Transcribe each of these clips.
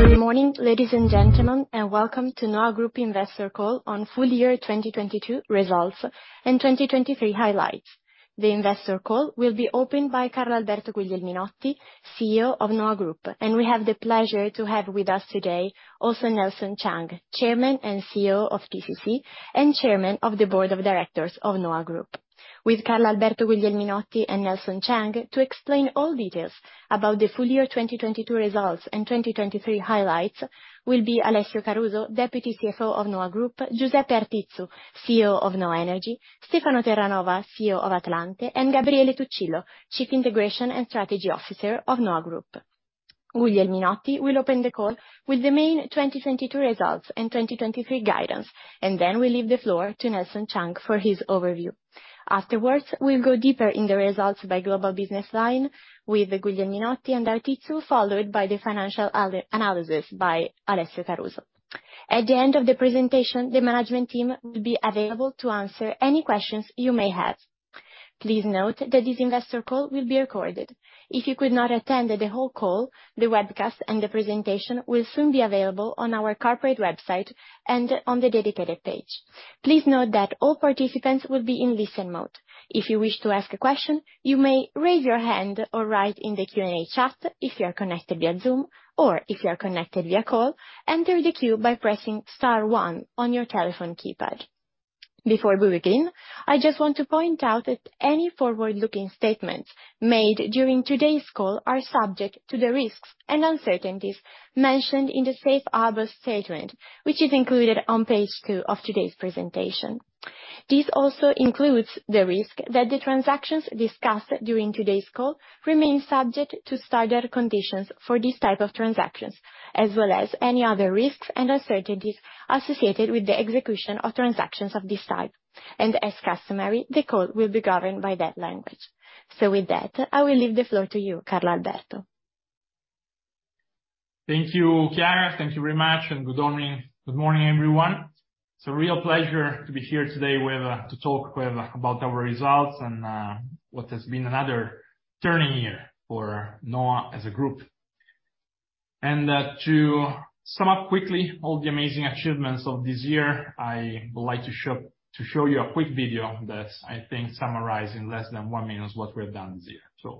Good morning, ladies and gentlemen, welcome to NHOA Group Investor Call on full year 2022 results and 2023 highlights. The investor call will be opened by Carlalberto Guglielminotti, CEO of NHOA Group. We have the pleasure to have with us today also Nelson Chang, Chairman and CEO of TCC, and Chairman of the Board of Directors of NHOA Group. With Carlalberto Guglielminotti and Nelson Chang to explain all details about the full year 2022 results and 2023 highlights will be Alessio Caruso, Deputy CFO of NHOA Group, Giuseppe Artizzu, CEO of NHOA Energy, Stefano Terranova, CEO of Atlante, and Gabriele Tuccillo, Chief Integration and Strategy Officer of NHOA Group. Guglielminotti will open the call with the main 2022 results and 2023 guidance, then we leave the floor to Nelson Chang for his overview. Afterwards, we'll go deeper in the results by global business line with Guglielminotti and Artizzu, followed by the financial analysis by Alessio Caruso. At the end of the presentation, the management team will be available to answer any questions you may have. Please note that this investor call will be recorded. If you could not attend the whole call, the webcast and the presentation will soon be available on our corporate website and on the dedicated page. Please note that all participants will be in listen mode. If you wish to ask a question, you may raise your hand or write in the Q&A chat if you are connected via Zoom, or if you are connected via call, enter the queue by pressing star one on your telephone keypad. Before we begin, I just want to point out that any forward-looking statements made during today's call are subject to the risks and uncertainties mentioned in the Safe Harbor statement, which is included on page two of today's presentation. This also includes the risk that the transactions discussed during today's call remain subject to standard conditions for these type of transactions, as well as any other risks and uncertainties associated with the execution of transactions of this type. As customary, the call will be governed by that language. With that, I will leave the floor to you, Carlalberto. Thank you, Chiara. Thank you very much. Good morning, everyone. It's a real pleasure to be here today to talk about our results and what has been another turning year for NHOA as a group. To sum up quickly all the amazing achievements of this year, I would like to show you a quick video that I think summarize in less than 1 minute what we have done this year.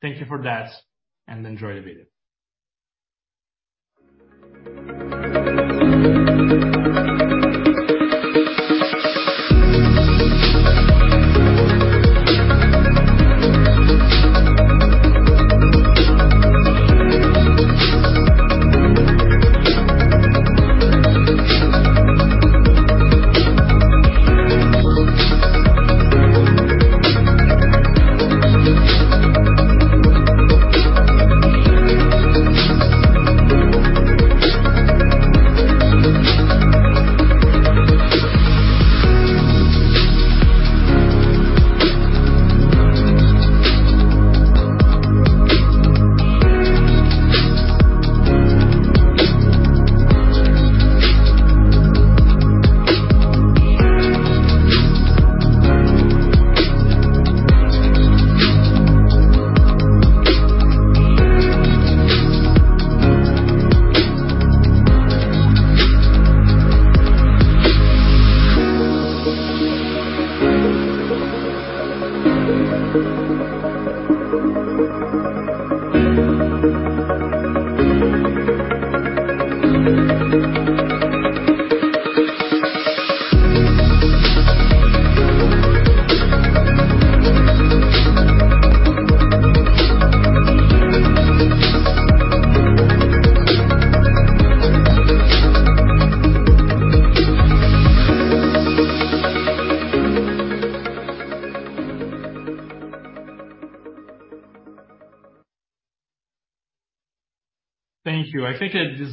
Thank you for that. Enjoy the video.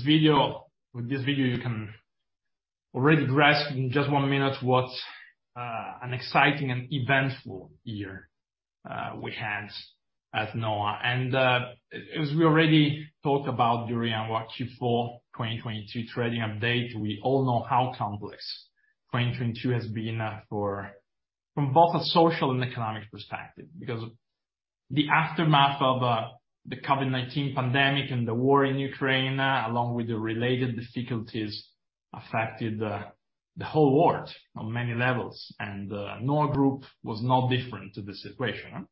Thank you. I think with this video, you can already grasp in just 1 minute what an exciting and eventful year we had at NHOA. As we already talked about during our Q4 2022 trading update, we all know how complex 2022 has been for... from both a social and economic perspective. Because the aftermath of the COVID-19 pandemic and the war in Ukraine, along with the related difficulties affected the whole world on many levels. NHOA Group was no different to this equation.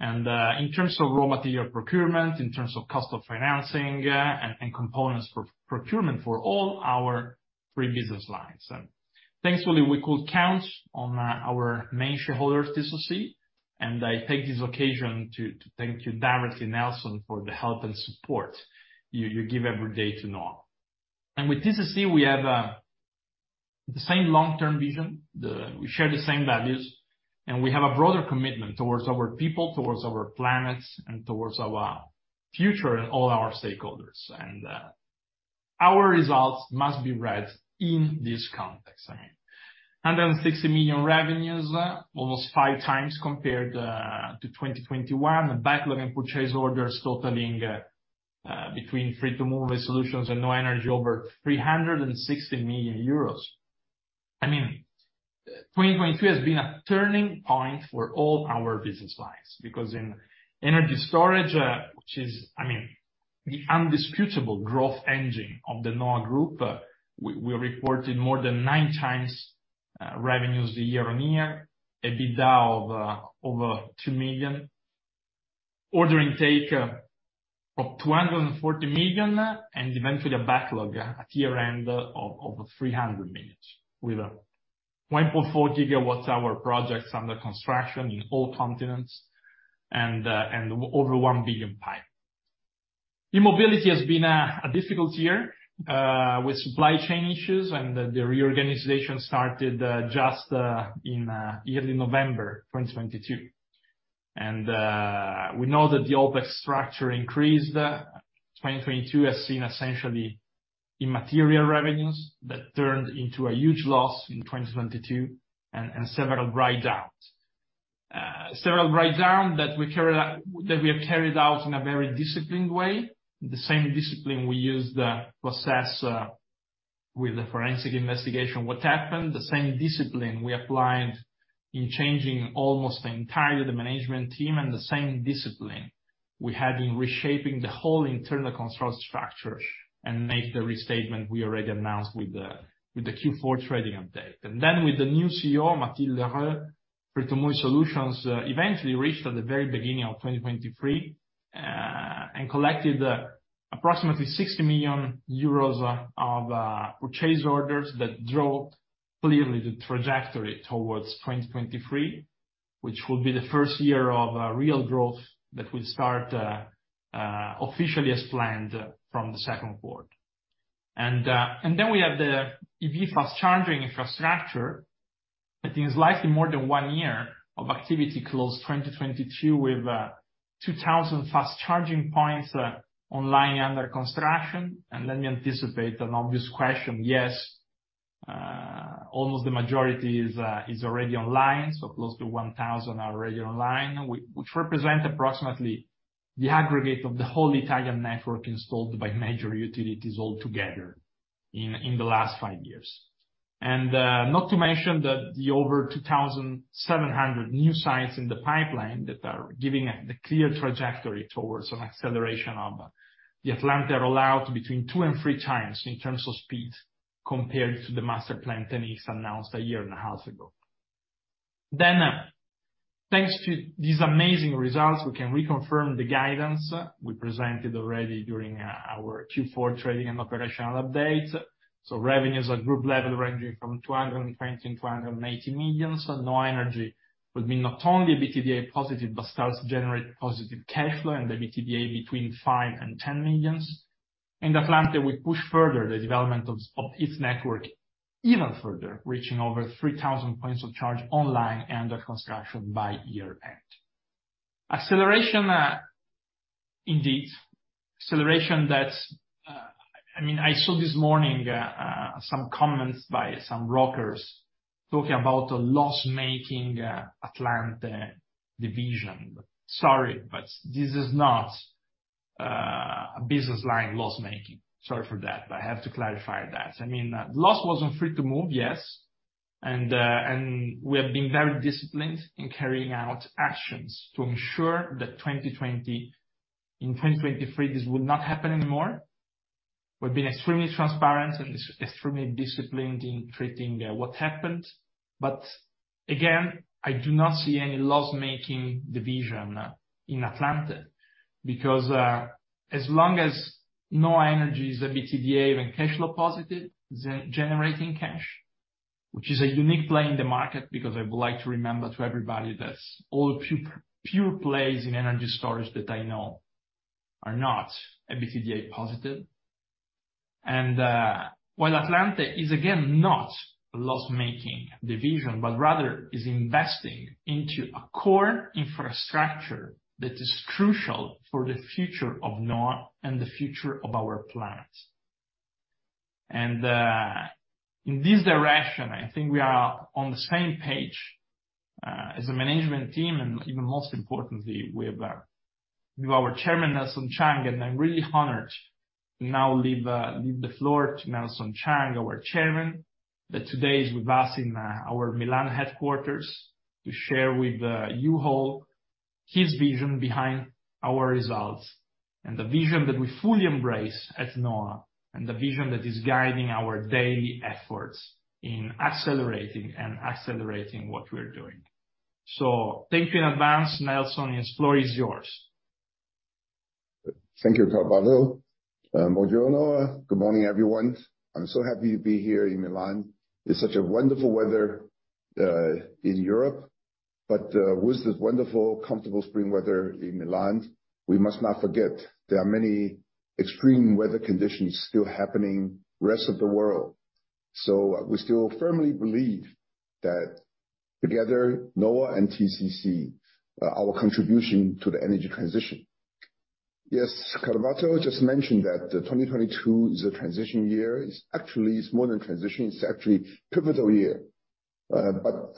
In terms of raw material procurement, in terms of cost of financing, and components for procurement for all our three business lines. Thankfully, we could count on our main shareholder, TCC, and I take this occasion to thank you directly, Nelson, for the help and support you give every day to NHOA. With TCC, we have the same long-term vision. We share the same values, and we have a broader commitment towards our people, towards our planet, and towards our future, and all our stakeholders. Our results must be read in this context, I mean. 160 million revenues, almost five times compared to 2021. The backlog in purchase orders totaling between Free2move eSolutions and NHOA Energy over 360 million euros. I mean, 2022 has been a turning point for all our business lines because in energy storage, which is, I mean, the undisputable growth engine of the NHOA Group, we reported more than nine times revenues year-on-year, a EBITDA of over 2 million, order intake of 240 million, and eventually a backlog at year-end of 300 million with a 1.4 GWh projects under construction in all continents and over 1 billion pipe. E-mobility has been a difficult year, with supply chain issues and the reorganization started just in early November 2022. We know that the OpEx structure increased. 2022 has seen essentially immaterial revenues that turned into a huge loss in 2022 and several write downs. Several write down that we have carried out in a very disciplined way, the same discipline we used to assess with the forensic investigation what happened, the same discipline we applied in changing almost the entire the management team, and the same discipline we had in reshaping the whole internal control structure and make the restatement we already announced with the Q4 trading update. With the new CEO, Mathilde Lheureux, Free2move eSolutions eventually reached at the very beginning of 2023 and collected approximately 60 million euros of purchase orders that drove clearly the trajectory towards 2023, which will be the first year of real growth that will start officially as planned from the 2. Then we have the EV fast charging infrastructure. I think it's slightly more than one year of activity closed 2022 with 2,000 fast charging points online under construction. Let me anticipate an obvious question. Yes, almost the majority is already online, so close to 1,000 are already online, which represent approximately the aggregate of the whole Italian network installed by major utilities all together in the last five years. Not to mention the over 2,700 new sites in the pipeline that are giving a clear trajectory towards an acceleration of Atlante allow between 2 and 3 times in terms of speed compared to the Masterplan 10x announced a year and a half ago. Thanks to these amazing results, we can reconfirm the guidance we presented already during our Q4 trading and operational update. Revenues at group level ranging from 220 million to 280 million. NHOA Energy will be not only EBITDA positive, but starts to generate positive cash flow and the EBITDA between 5 million and 10 million. Atlante will push further the development of its network even further, reaching over 3,000 points of charge online under construction by year end. Acceleration indeed. Acceleration that's. I mean, I saw this morning some comments by some brokers talking about a loss-making Atlante division. Sorry, this is not a business line loss-making. Sorry for that, I have to clarify that. I mean, loss wasn't Free2move, yes, and we have been very disciplined in carrying out actions to ensure that in 2023 this would not happen anymore. We've been extremely transparent and extremely disciplined in treating what happened. Again, I do not see any loss-making division in Atlante because as long as NHOA Energy is EBITDA and cash flow positive, generating cash, which is a unique play in the market because I would like to remember to everybody that all pure plays in energy storage that I know are not EBITDA positive. While Atlante is again not a loss-making division, but rather is investing into a core infrastructure that is crucial for the future of NHOA and the future of our planet. In this direction, I think we are on the same page, as a management team, and even most importantly, with our Chairman, Nelson Chang. I'm really honored to now leave the floor to Nelson Chang, our Chairman, that today is with us in our Milan headquarters to share with, you all his vision behind our results and the vision that we fully embrace at NHOA, and the vision that is guiding our daily efforts in accelerating what we're doing. Thank you in advance, Nelson. This floor is yours. Thank you, Carlalberto. Buongiorno. Good morning, everyone. I'm so happy to be here in Milan. It's such a wonderful weather in Europe, but with the wonderful, comfortable spring weather in Milan, we must not forget there are many extreme weather conditions still happening rest of the world. We still firmly believe that together, NHOA and TCC, our contribution to the energy transition. Yes, Carlalberto just mentioned that 2022 is a transition year. It's actually, it's more than transition, it's actually pivotal year.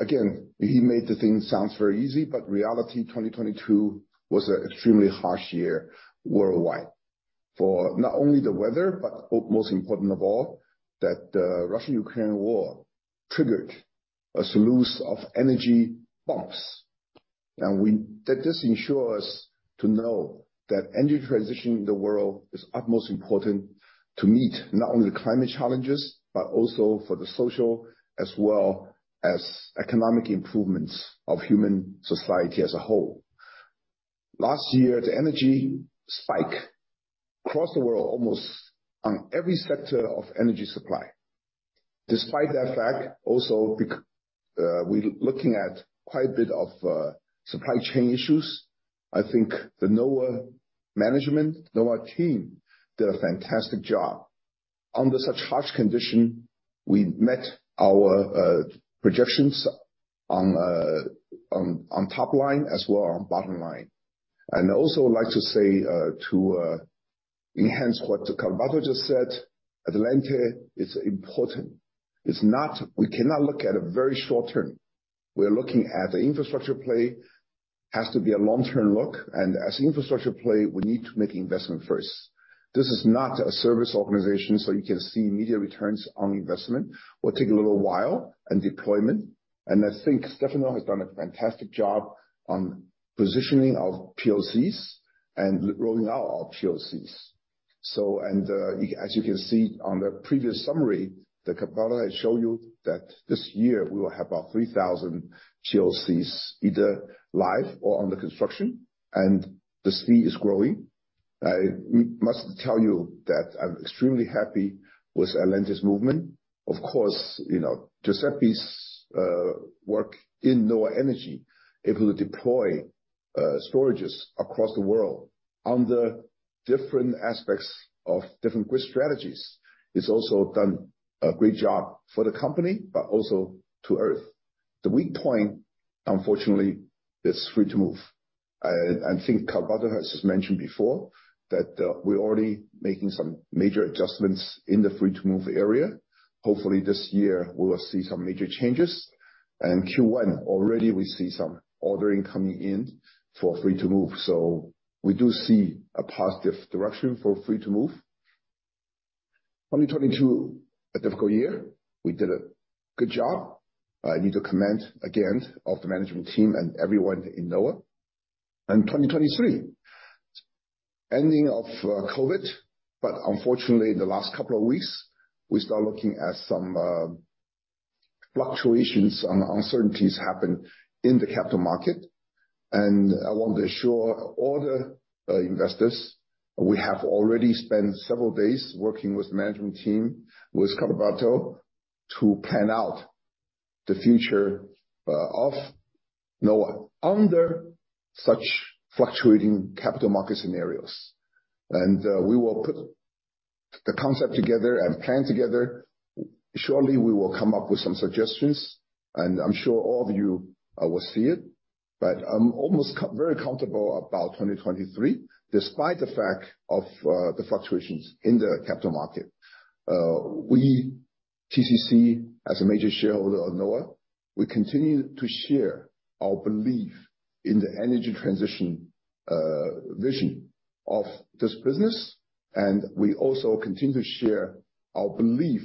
Again, he made the thing sounds very easy, but reality 2022 was a extremely harsh year worldwide for not only the weather, but almost important of all, that the Russia-Ukraine war triggered a slew of energy bumps. This ensure us to know that energy transition in the world is utmost important to meet not only the climate challenges, but also for the social as well as economic improvements of human society as a whole. Last year, the energy spike across the world, almost on every sector of energy supply. Despite that fact, also we're looking at quite a bit of supply chain issues, I think the NHOA management, NHOA team did a fantastic job. Under such harsh condition, we met our projections on top line as well on bottom line. I'd also like to say to enhance what Carlalberto just said, Atlante is important. We cannot look at it very short term. We're looking at the infrastructure play has to be a long-term look, as infrastructure play, we need to make investment first. This is not a service organization, you can see immediate returns on investment will take a little while and deployment. I think Stefano has done a fantastic job on positioning our POCs and rolling out our POCs. As you can see on the previous summary that Carlalberto had shown you, this year we will have about 3,000 POCs either live or under construction, the speed is growing. I must tell you that I'm extremely happy with Atlante's movement. Of course, you know, Giuseppe's work in NHOA Energy, able to deploy storages across the world under different aspects of different grid strategies. He's also done a great job for the company, also to Earth. The weak point, unfortunately, is Free2move. I think Carlalberto has just mentioned before that we're already making some major adjustments in the Free2move area. Hopefully this year we will see some major changes. Q1 already we see some ordering coming in for Free2move. We do see a positive direction for Free2move. 2022, a difficult year. We did a good job. I need to commend again of the management team and everyone in NHOA. 2023, ending of COVID-19, but unfortunately the last couple of weeks we start looking at some fluctuations and uncertainties happen in the capital market. I want to assure all the investors, we have already spent several days working with the management team, with Carlalberto, to plan out the future of NHOA under such fluctuating capital market scenarios. We will put the concept together and plan together. Surely we will come up with some suggestions, and I'm sure all of you will see it. I'm almost very comfortable about 2023, despite the fact of the fluctuations in the capital market. We, TCC, as a major shareholder of NHOA, we continue to share our belief in the energy transition vision of this business, and we also continue to share our belief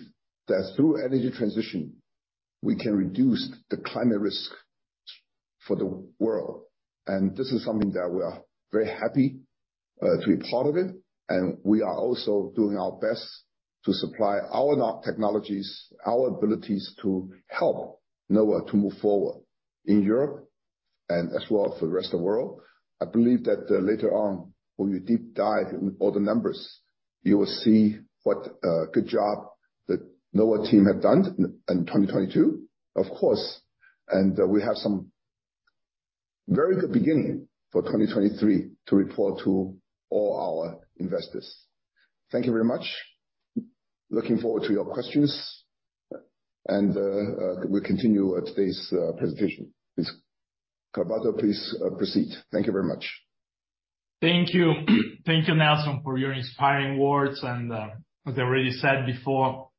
that through energy transition, we can reduce the climate risk for the world. This is something that we are very happy to be part of it, and we are also doing our best to supply our technologies, our abilities to help NHOA to move forward in Europe and as well for the rest of the world. I believe that, later on, when we deep dive in all the numbers, you will see what good job the NHOA team have done in 2022. Of course, we have some very good beginning for 2023 to report to all our investors. Thank you very much. Looking forward to your questions. We continue today's presentation. Please, Carlalberto, please proceed. Thank you very much. Thank you. Thank you, Nelson, for your inspiring words, and, as I already said before,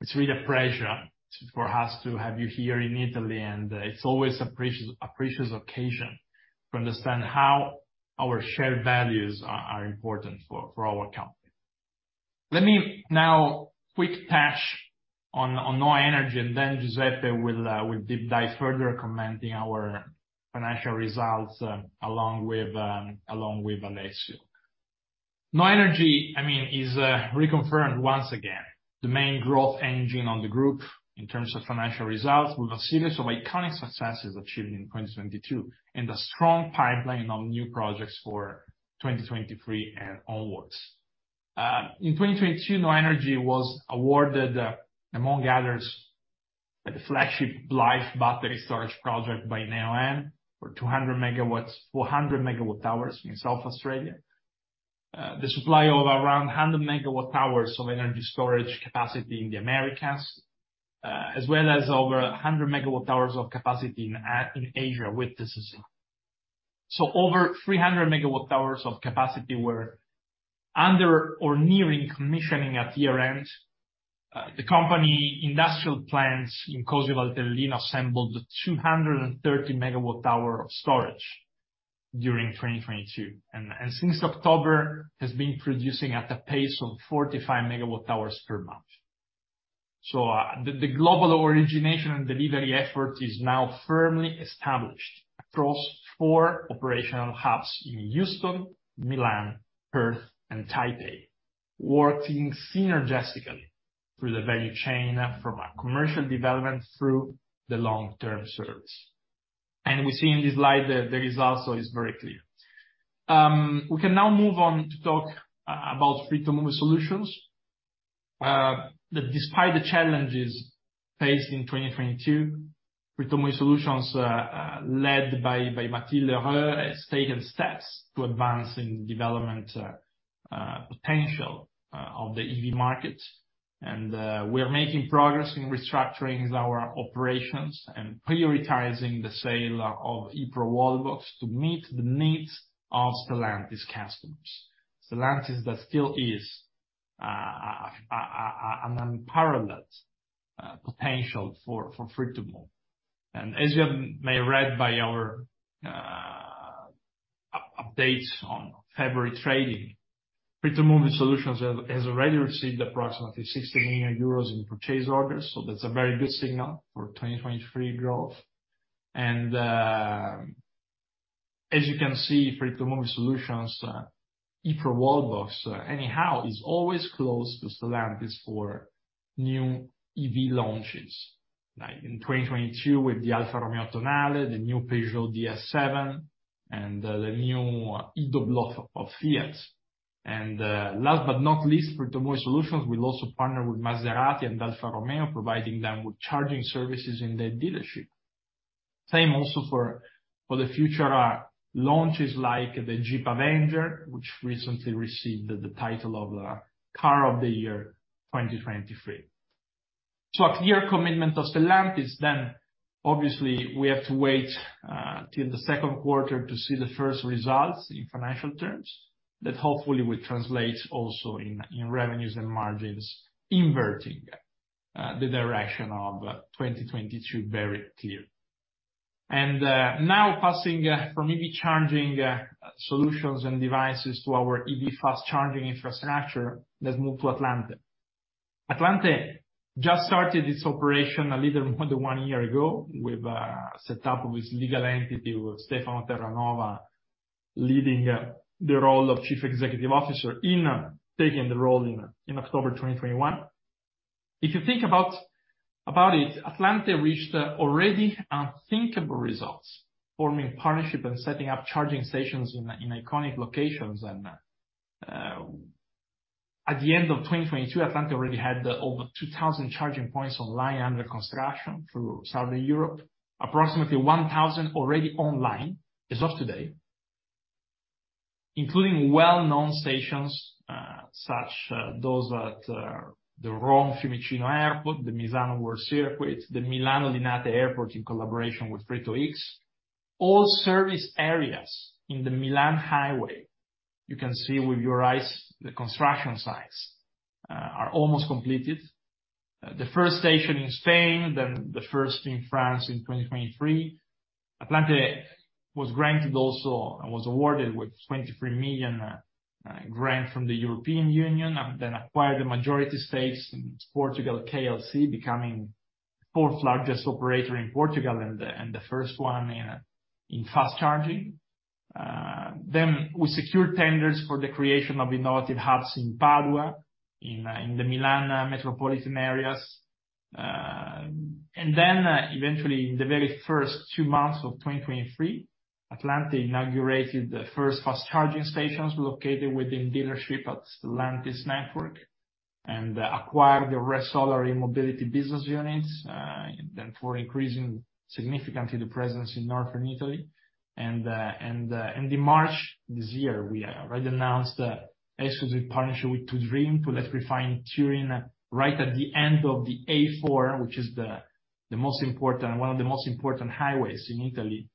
it's really a pleasure for us to have you here in Italy, and it's always a precious occasion to understand how our shared values are important for our company. Let me now quick touch on NHOA Energy, and then Giuseppe will deep dive further commenting our financial results, along with Alessio. NHOA Energy, I mean, is reconfirmed once again the main growth engine on the group in terms of financial results with a series of iconic successes achieved in 2022 and a strong pipeline of new projects for 2023 and onwards. In 2022, NHOA Energy was awarded, among others, the flagship Blyth Battery Storage project by Neoen for 200 MW, 400 MWh in South Australia. The supply of around 100 megawatt-hours of energy storage capacity in the Americas, as well as over 100 megawatt-hours of capacity in Asia with TCC. Over 300 megawatt-hours of capacity were under or nearing commissioning at year-end. The company industrial plants in. We can now move on to talk about Free2move eSolutions. That despite the challenges faced in 2022, Free2move eSolutions, led by Mathilde Lheureux has taken steps to advance in development potential of the EV markets. We are making progress in restructuring our operations and prioritizing the sale of eProWallbox to meet the needs of Stellantis customers. Stellantis that still is an unparalleled potential for Free2move. As you may read by our update on February trading, Free2move eSolutions has already received approximately 60 million euros in purchase orders, that's a very good signal for 2023 growth. As you can see, Free2move eSolutions eProWallbox anyhow, is always close to Stellantis for new EV launches. Like in 2022 with the Alfa Romeo Tonale, the new DS 7, and the new E-Doblò of Fiat. Last but not least, Free2move eSolutions will also partner with Maserati and Alfa Romeo, providing them with charging services in their dealership. Same also for the future launches like the Jeep Avenger, which recently received the title of Car of the Year 2023. A clear commitment of Stellantis, then obviously we have to wait till the 2nd quarter to see the first results in financial terms. That hopefully will translate also in revenues and margins inverting the direction of 2022, very clear. Now passing from EV charging solutions and devices to our EV fast charging infrastructure. Let's move to Atlante. Atlante just started its operation a little more than 1 year ago, with set up with legal entity, with Stefano Terranova leading the role of Chief Executive Officer in taking the role in October 2021. If you think about it, Atlante reached already unthinkable results, forming partnership and setting up charging stations in iconic locations. At the end of 2022, Atlante already had over 2,000 charging points online, under construction through Southern Europe. Approximately 1,000 already online as of today, including well-known stations, such those at the Rome Fiumicino Airport, the Misano World Circuit, the Milano Linate Airport, in collaboration with Free To X. All service areas in the Milan highway, you can see with your eyes the construction sites, are almost completed. The first station in Spain, then the first in France in 2023. Atlante was granted also and was awarded with 23 million grant from the European Union, and then acquired the majority stakes in Portugal KLC, becoming fourth largest operator in Portugal and the first one in fast charging. We secured tenders for the creation of innovative hubs in Padua, in the Milan metropolitan areas. Eventually, in the very first two months of 2023, Atlante inaugurated the first fast-charging stations located within dealership at Stellantis network. Acquired the Ressolar mobility business unit, then for increasing significantly the presence in northern Italy. In the March this year, we already announced an exclusive partnership with To Dream to electrify Turin right at the end of the A4, which is the most important... one of the most important highways in Italy,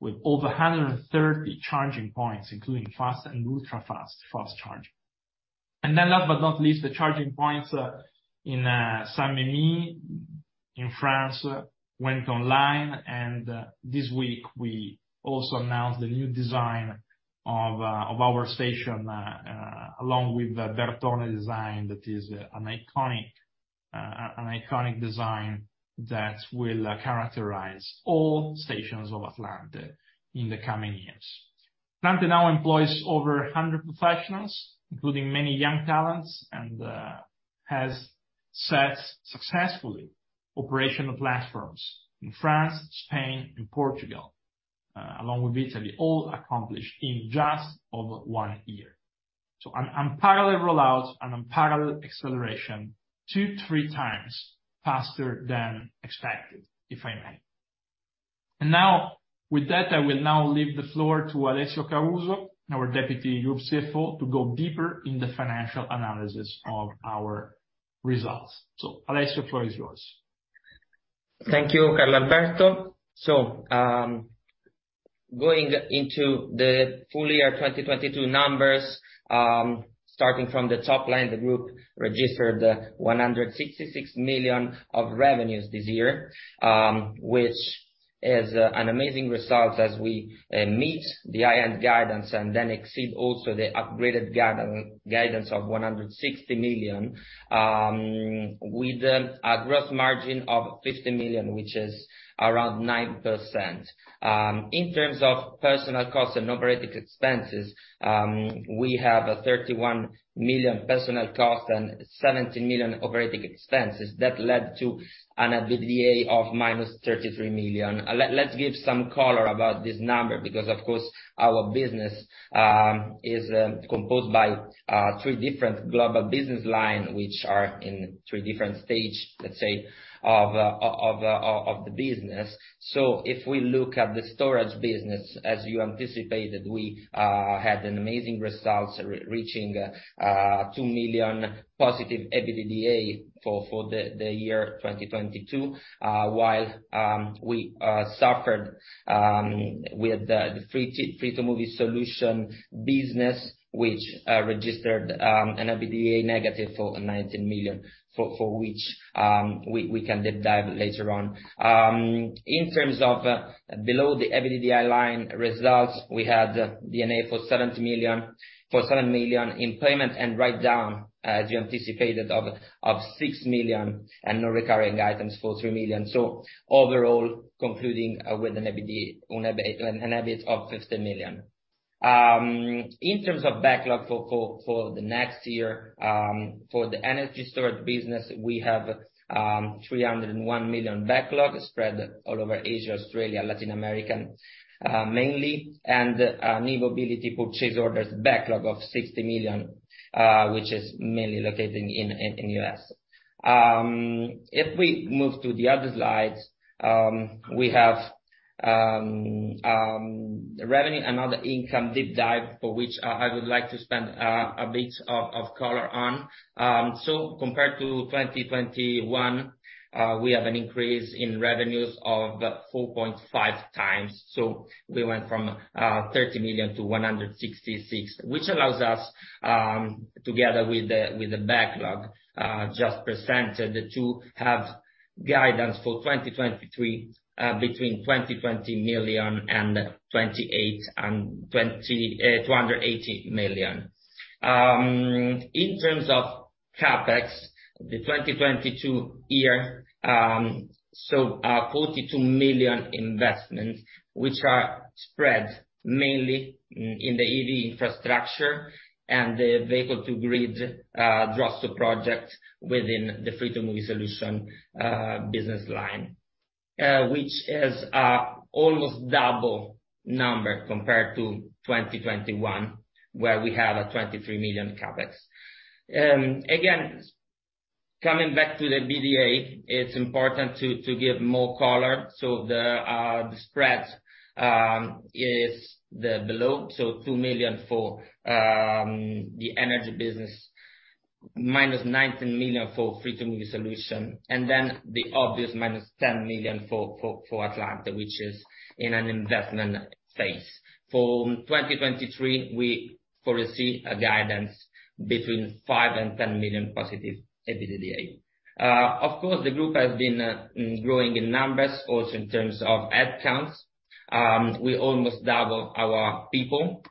with over 130 charging points, including fast and ultra-fast, fast charging. Last but not least, the charging points in Saint-Denis in France went online, and this week we also announced the new design of our station along with the Bertone design that is an iconic design that will characterize all stations of Atlante in the coming years. Atlante now employs over 100 professionals, including many young talents, and has set successfully operational platforms in France, Spain and Portugal along with Italy, all accomplished in just over 1 year. An unparalleled rollout, an unparalleled acceleration, 2-3 times faster than expected, if I may. Now with that, I will now leave the floor to Alessio Caruso, our Deputy Group CFO, to go deeper in the financial analysis of our results. Alessio, floor is yours. Thank you, Carlalberto. Going into the full year 2022 numbers, starting from the top line, the group registered 166 million of revenues this year, which is an amazing result as we meet the high-end guidance and then exceed also the upgraded guidance of 160 million, with a gross margin of 50 million, which is around 9%. In terms of personnel costs and operating expenses, we have a 31 million personnel cost and 17 million operating expenses that led to an EBITDA of minus 33 million. Let's give some color about this number because, of course, our business is composed by 3 different global business line, which are in 3 different stage, let's say, of the business. If we look at the storage business, as you anticipated, we had an amazing result re-reaching 2 million positive EBITDA for the year 2022, while we suffered with the Free2move eSolutions business, which registered an EBITDA negative for 19 million, for which we can deep dive later on. In terms of below the EBITDA line results, we had D&A for 7 million, payment and write down, as you anticipated, of 6 million, and non-recurring items for 3 million. Overall, concluding with an EBIT of 50 million. In terms of backlog for the next year, for the energy storage business, we have 301 million backlog spread all over Asia, Australia, Latin American, mainly, and new mobility purchase orders backlog of 60 million, which is mainly located in U.S. If we move to the other slides, we have revenue, another income deep dive for which I would like to spend a bit of color on. Compared to 2021, we have an increase in revenues of 4.5 times. We went from 30 million to 166, which allows us, together with the backlog, just presented to have guidance for 2023, between 220 million and 280 million. In terms of CapEx, the 2022 year, 42 million investments, which are spread mainly in the EV infrastructure and the V2G-ROiSTER project within the Free2move eSolutions business line. Which is almost double number compared to 2021, where we have a 23 million CapEx. Again, coming back to the EBITDA, it's important to give more color. The spread is the below, 2 million for the energy business, minus 19 million for Free2move eSolutions, and then the obvious minus 10 million for Atlante, which is in an investment phase. For 2023, we foresee a guidance between 5 million-10 million positive EBITDA. Of course, the group has been growing in numbers also in terms of headcounts. We almost doubled our people.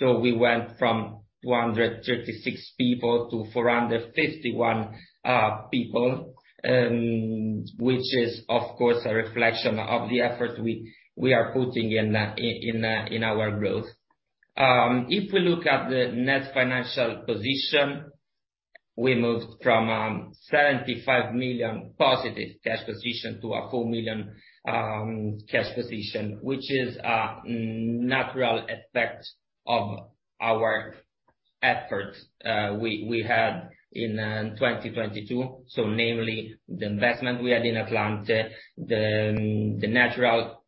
We went from 136 people to 451 people, which is of course a reflection of the effort we are putting in in our growth. If we look at the net financial position, we moved from 75 million positive cash position to a 4 million cash position, which is natural effect of our effort we had in 2022. Namely, the investment we had in Atlante, the natural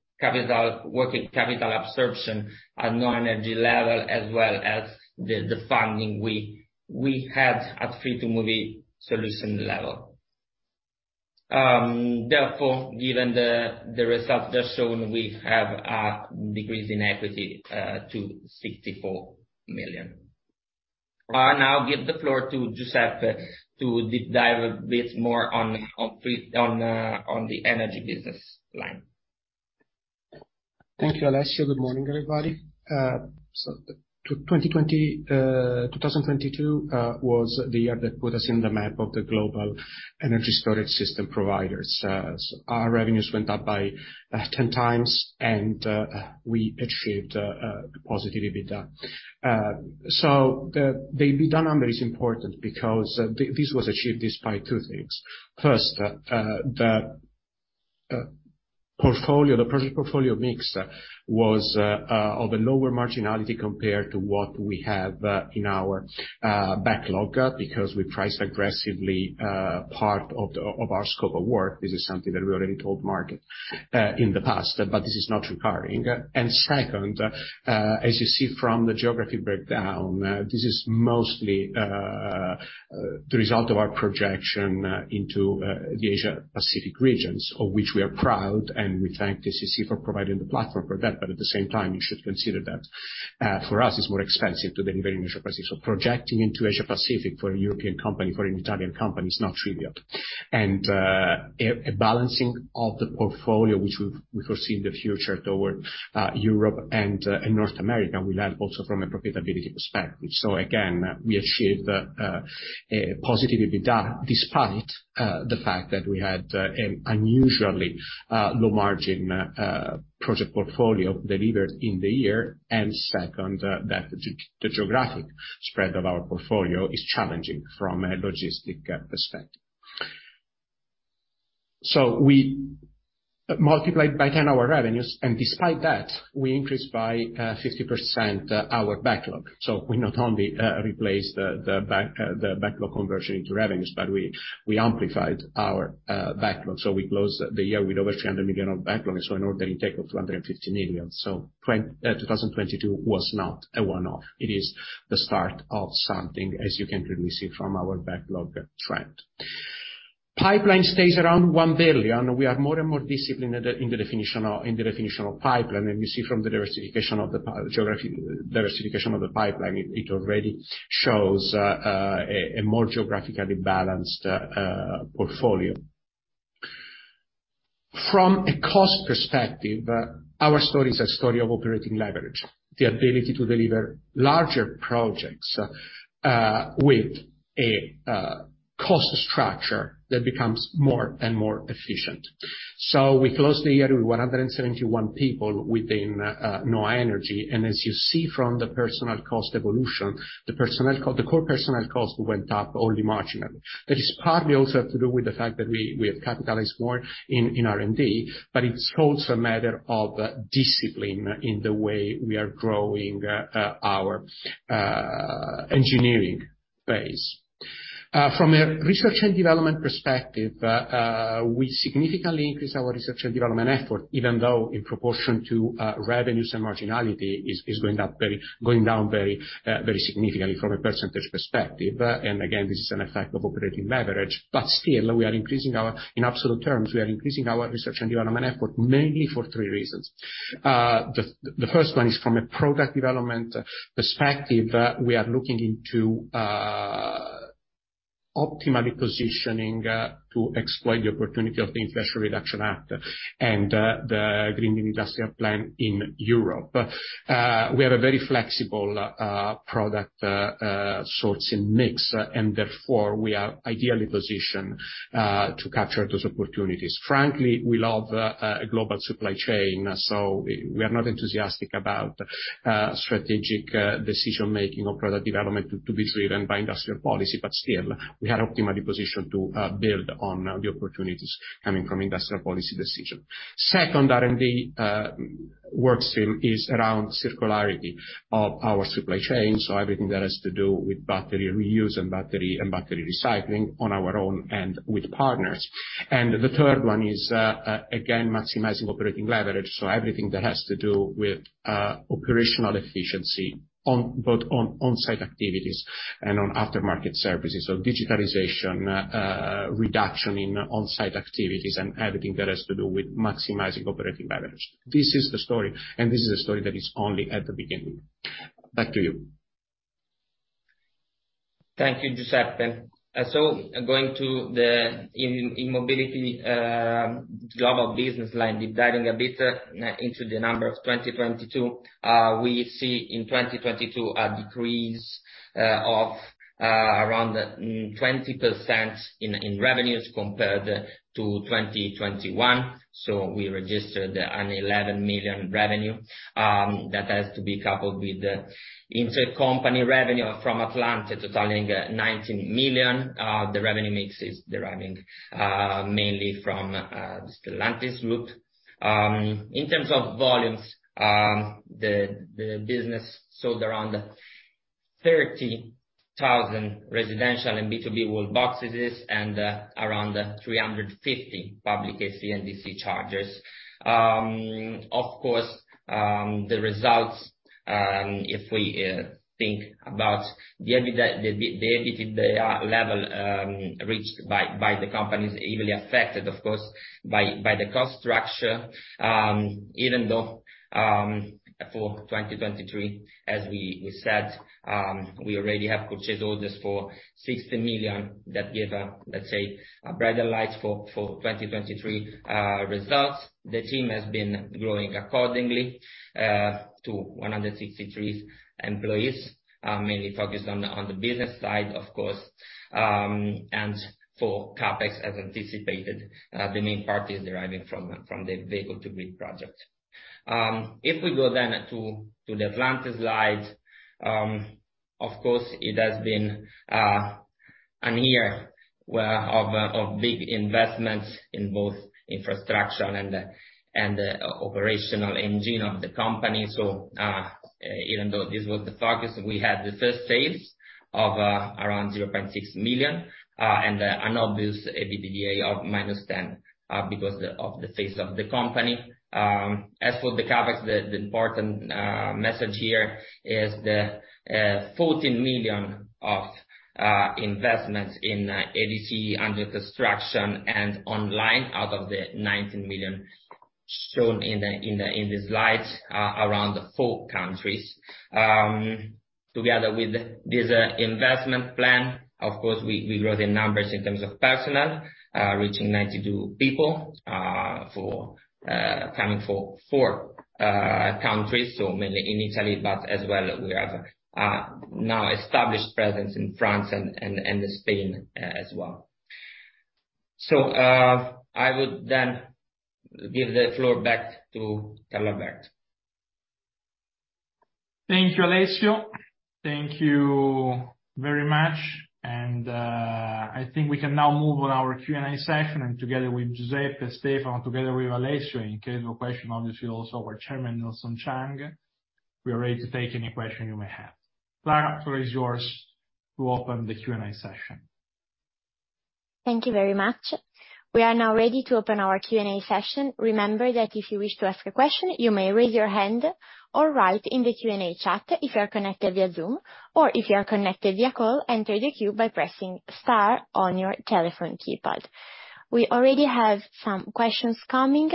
working capital absorption at NHOA Energy level, as well as the funding we had at Free2move eSolutions level. Therefore, given the results just shown, we have a decrease in equity to 64 million. Now give the floor to Giuseppe to deep dive a bit more on the energy business line. Thank you, Alessio. Good morning, everybody. The 2022 was the year that put us in the map of the global energy storage system providers. Our revenues went up by 10 times and we achieved positive EBITDA. The EBITDA number is important because this was achieved despite 2 things. First, the project portfolio mix was of a lower marginality compared to what we have in our backlog because we price aggressively part of our scope of work. This is something that we already told market in the past, but this is not recurring. Second, as you see from the geography breakdown, this is mostly the result of our projection into the Asia-Pacific regions, of which we are proud, and we thank TCC for providing the platform for that. At the same time, you should consider that for us, it's more expensive to deliver in Asia-Pacific. Projecting into Asia-Pacific for a European company, for an Italian company is not trivial. A balancing of the portfolio, which we foresee in the future toward Europe and North America will help also from a profitability perspective. Again, we achieved a positive EBITDA despite the fact that we had an unusually low margin project portfolio delivered in the year. Second, that the geographic spread of our portfolio is challenging from a logistic perspective. We multiplied by 10 our revenues, and despite that, we increased by 50% our backlog. We not only replaced the backlog conversion into revenues, but we amplified our backlog. We closed the year with over 300 million of backlog, an order intake of 250 million. 2022 was not a one-off. It is the start of something, as you can clearly see from our backlog trend. Pipeline stays around 1 billion. We are more and more disciplined in the definitional pipeline. We see from the diversification of the geographic diversification of the pipeline, it already shows a more geographically balanced portfolio. From a cost perspective, our story is a story of operating leverage, the ability to deliver larger projects with a cost structure that becomes more and more efficient. We closed the year with 171 people within NHOA Energy. As you see from the personnel cost evolution, the personnel cost, the core personnel cost went up only marginally. That is partly also to do with the fact that we have capitalized more in R&D, but it's also a matter of discipline in the way we are growing our engineering phase. From a research and development perspective, we significantly increased our research and development effort, even though in proportion to revenues and marginality, is going down very significantly from a percentage perspective. Again, this is an effect of operating leverage. Still, in absolute terms, we are increasing our research and development effort mainly for 3 reasons. The first one is from a product development perspective, we are looking into optimally positioning to exploit the opportunity of the Inflation Reduction Act and the Green Deal Industrial Plan in Europe. We have a very flexible product source and mix, and therefore we are ideally positioned to capture those opportunities. Frankly, we love a global supply chain, we are not enthusiastic about strategic decision-making or product development to be driven by industrial policy. Still, we are optimally positioned to build on the opportunities coming from industrial policy decision. Second R&D work stream is around circularity of our supply chain. Everything that has to do with battery reuse and battery recycling on our own and with partners. The third one is, again, maximizing operating leverage. Everything that has to do with operational efficiency on both on-site activities and on aftermarket services. Digitalization, reduction in on-site activities and everything that has to do with maximizing operating leverage. This is the story, this is a story that is only at the beginning. Back to you. Thank you, Giuseppe. Going to the e-mobility global business line, deep diving a bit into the numbers of 2022. We see in 2022 a decrease of around 20% in revenues compared to 2021. We registered an 11 million revenue that has to be coupled with the intercompany revenue from Atlante, totaling 19 million. The revenue mix is deriving mainly from Stellantis Group. In terms of volumes, the business sold around 30,000 residential and B2B wall boxes and around 350 public AC and DC chargers. Of course, the results, if we think about the EBITDA, the EBITDA level reached by the company is heavily affected of course, by the cost structure. Even though for 2023, as we said, we already have purchase orders for 60 million that give a, let's say, a brighter light for 2023 results. The team has been growing accordingly to 163 employees, mainly focused on the business side, of course. For CapEx as anticipated, the main part is deriving from the Vehicle-to-Grid project. If we go to the Atlante slide, of course, it has been a year of big investments in both infrastructure and the operational engine of the company. Even though this was the focus, we had the first phase of around 0.6 million and an obvious EBITDA of minus 10 because of the phase of the company. As for the CapEx, the important message here is the 14 million of investments in ADC under construction and online out of the 19 million shown in the slides, around four countries. Together with this investment plan, of course, we grew the numbers in terms of personnel, reaching 92 people, for coming from four countries. Mainly in Italy, but as well we have now established presence in France and Spain as well. I would then give the floor back to Carlalberto. Thank you, Alessio. Thank you very much. I think we can now move on our Q&A session, together with Giuseppe, Stefano, together with Alessio, in case of a question, obviously also our chairman, Nelson Chang, we are ready to take any question you may have. Clara, the floor is yours to open the Q&A session. Thank you very much. We are now ready to open our Q&A session. Remember that if you wish to ask a question, you may raise your hand or write in the Q&A chat if you are connected via Zoom, or if you are connected via call, enter the queue by pressing Star on your telephone keypad. We already have some questions coming.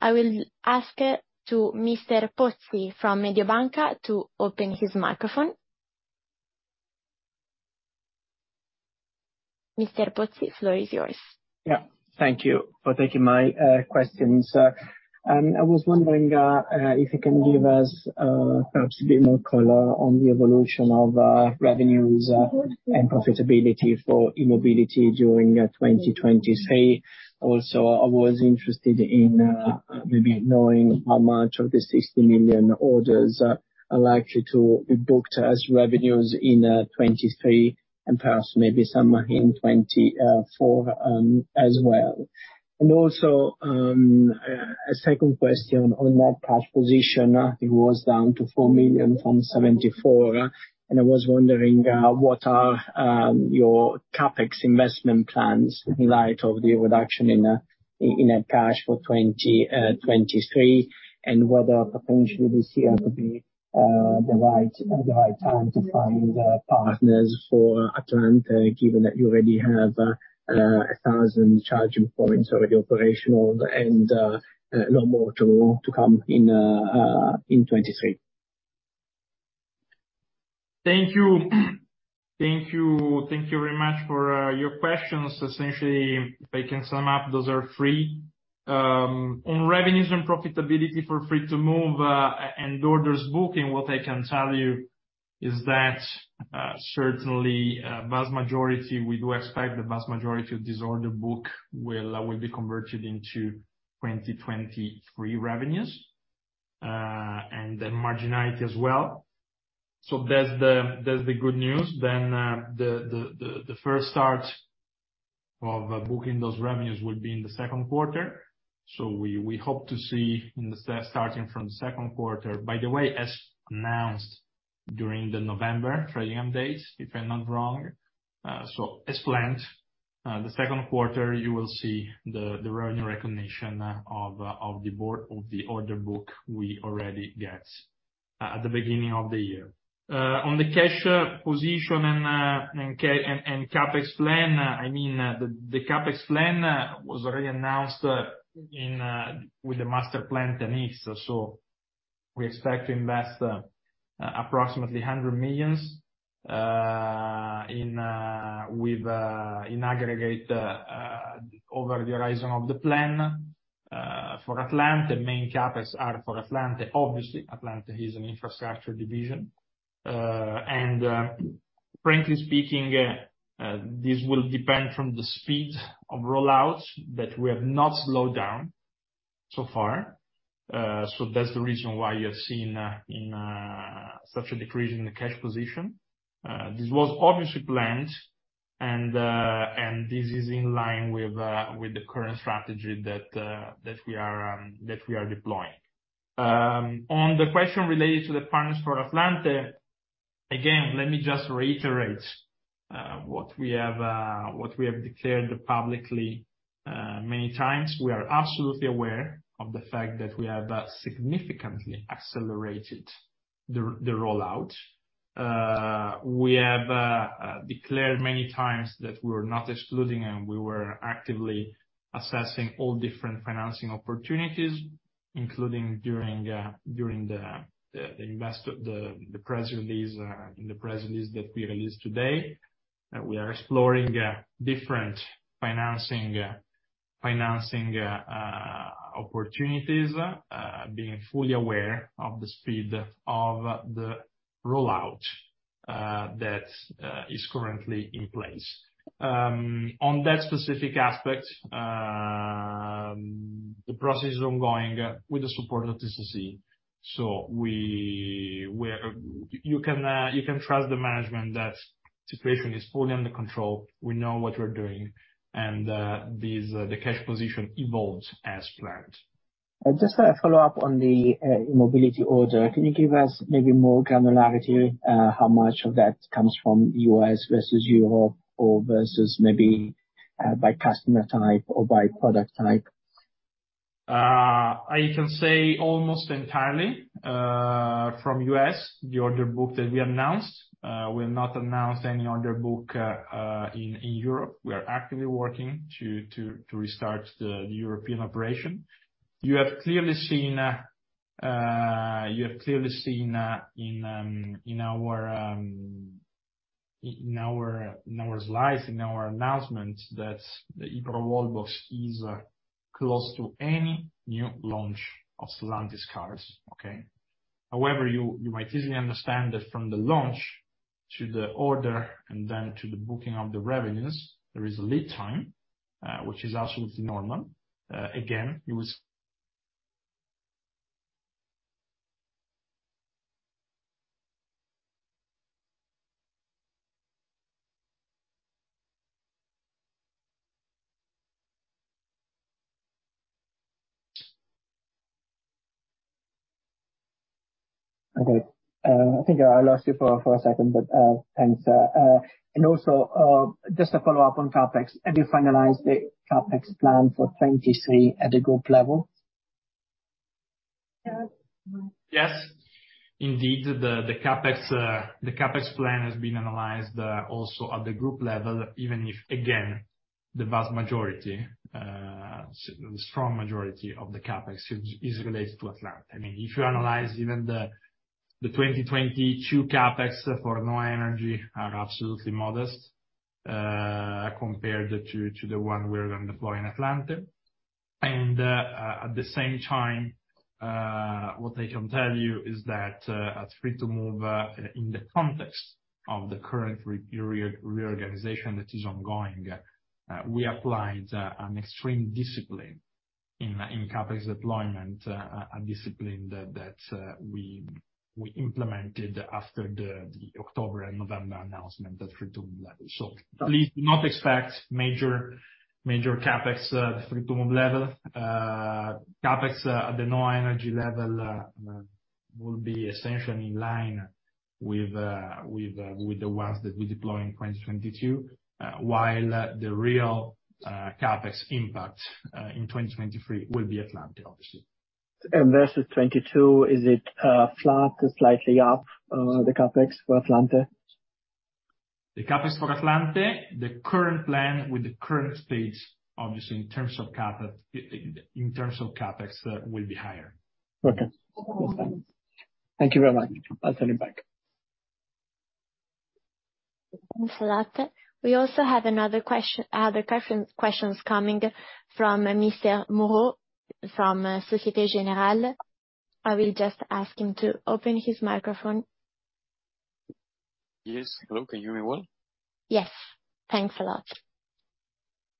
I will ask to Mr. Pozzi from Mediobanca to open his microphone. Mr. Pozzi, the floor is yours. Thank you for taking my questions. I was wondering if you can give us perhaps a bit more color on the evolution of revenues and profitability for e-mobility during 2023. I was interested in maybe knowing how much of the 60 million orders are likely to be booked as revenues in 2023, and perhaps some are in 2024 as well. A second question on net cash position. It was down to 4 million from 74. I was wondering what are your CapEx investment plans in light of the reduction in net cash for 2023, and whether potentially this year could be the right time to find partners for Atlante, given that you already have 1,000 charging points already operational and a lot more to come in 2023? Thank you. Thank you. Thank you very much for your questions. Essentially, if I can sum up, those are 3. On revenues and profitability for Free2move eSolutions, and orders book, and what I can tell you is that certainly vast majority, we do expect the vast majority of this order book will be converted into 2023 revenues, and the marginality as well. That's the, that's the good news. Then, the first start of booking those revenues will be in the 2. We hope to see in the starting from the 2... By the way, as announced during the November trading updates, if I'm not wrong, the Q2 you will see the revenue recognition of the order book we already get at the beginning of the year. On the cash position and CapEx plan, I mean, the CapEx plan was already announced in with the Masterplan 10x. We expect to invest approximately 100 million in aggregate over the horizon of the plan for Atlante. Main CapEx are for Atlante. Obviously, Atlante is an infrastructure division. And frankly speaking, this will depend from the speed of rollout, but we have not slowed down so far. That's the reason why you have seen in such a decrease in the cash position. This was obviously planned, and this is in line with the current strategy that we are deploying. On the question related to the partners for Atlante, again, let me just reiterate what we have declared publicly many times. We are absolutely aware of the fact that we have significantly accelerated the rollout. We have declared many times that we're not excluding, and we were actively assessing all different financing opportunities, including during the press release in the press release that we released today. We are exploring different financing opportunities, being fully aware of the speed of the rollout, that is currently in place. On that specific aspect, the process is ongoing with the support of TCC. We're, you can trust the management that situation is fully under control. We know what we're doing, and, this, the cash position evolves as planned. Just a follow-up on the mobility order. Can you give us maybe more granularity, how much of that comes from U.S. versus Europe or versus maybe, by customer type or by product type? I can say almost entirely, from U.S., the order book that we announced. We have not announced any order book, in Europe. We are actively working to restart the European operation. You have clearly seen, in our slides, in our announcement that the eProWallbox is close to any new launch of Stellantis cars. Okay? You might easily understand that from the launch to the order and then to the booking of the revenues, there is a lead time, which is absolutely normal. It was. Okay. I think I lost you for a second, but thanks. Also, just a follow-up on CapEx. Have you finalized the CapEx plan for 23 at the group level? Yes. Indeed, the CapEx plan has been analyzed also at the group level, even if, again, the vast majority, the strong majority of the CapEx is related to Atlante. I mean, if you analyze even the 2022 CapEx for NHOA Energy are absolutely modest compared to the one we're gonna deploy in Atlante. At the same time, what I can tell you is that at Free2move, in the context of the current reorganization that is ongoing, we applied an extreme discipline in CapEx deployment, a discipline that we implemented after the October and November announcement at Free2move level. Please do not expect major CapEx at Free2move level. CapEx at the NHOA Energy level will be essentially in line with the ones that we deploy in 2022, while the real CapEx impact in 2023 will be Atlante, obviously. Versus 22, is it flat to slightly up, the CapEx for Atlante? The CapEx for Atlante, the current plan with the current stage, obviously in terms of CapEx, will be higher. Okay. Thanks. Thank you very much. I'll send it back. Thanks a lot. We also have other questions coming from Mr. Moreau from Société Générale. I will just ask him to open his microphone. Yes. Hello, can you hear me well? Yes. Thanks a lot.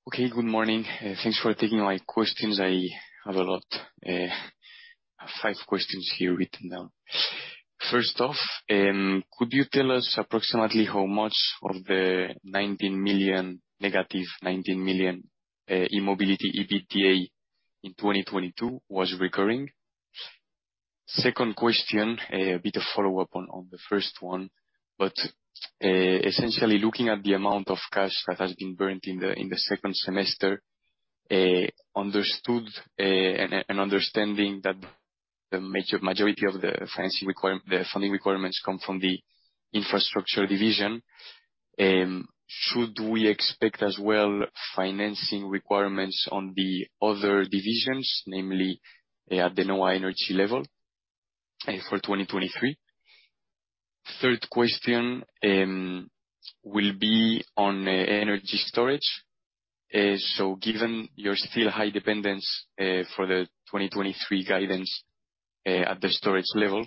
Okay, good morning. Thanks for taking my questions. I have a lot, I have five questions here written down. First off, could you tell us approximately how much of the 19 million, negative 19 million, e-mobility EBITDA in 2022 was recurring? Second question, a bit of follow-up on the first one, essentially looking at the amount of cash that has been burnt in the second semester, an understanding that the majority of the funding requirements come from the infrastructure division. Should we expect as well financing requirements on the other divisions, namely at the NHOA Energy level, for 2023? Third question, will be on energy storage. Given your still high dependence for the 2023 guidance at the storage level,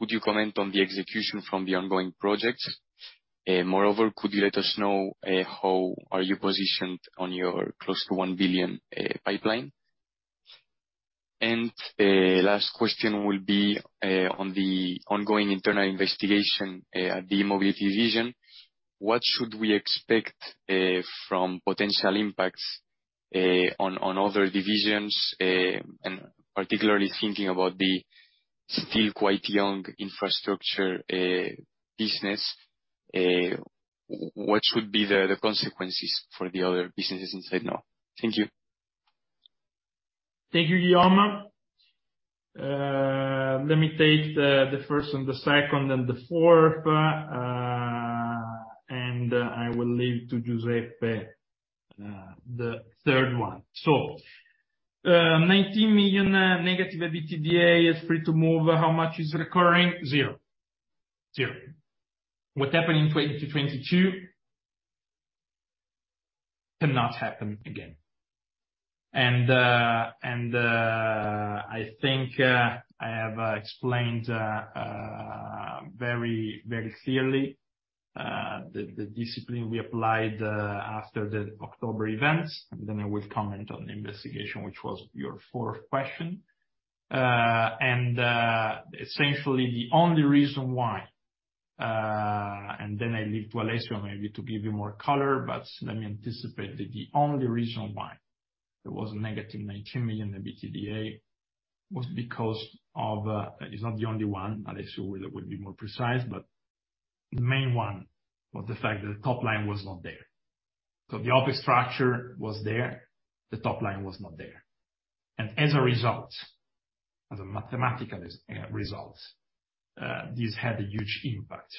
could you comment on the execution from the ongoing projects? Moreover, could you let us know how are you positioned on your close to 1 billion pipeline? Last question will be on the ongoing internal investigation at the e-mobility division. What should we expect from potential impacts on other divisions, and particularly thinking about the still quite young infrastructure business, what should be the consequences for the other businesses inside NHOA? Thank you. Thank you, Guillaume. Let me take the first and the second and the fourth, and I will leave to Giuseppe the third one. 19 million negative EBITDA is Free2move, how much is recurring? Zero. Zero. What happened in 2022 cannot happen again. I think I have explained very, very clearly the discipline we applied after the October events, and then I will comment on the investigation, which was your fourth question. Essentially the only reason why, and then I leave to Alessio maybe to give you more color, but let me anticipate that the only reason why there was a negative 19 million EBITDA was because of... It's not the only one, Alessio will be more precise, but the main one was the fact that the top line was not there. The OpEx structure was there, the top line was not there. As a result, as a mathematical result, this had a huge impact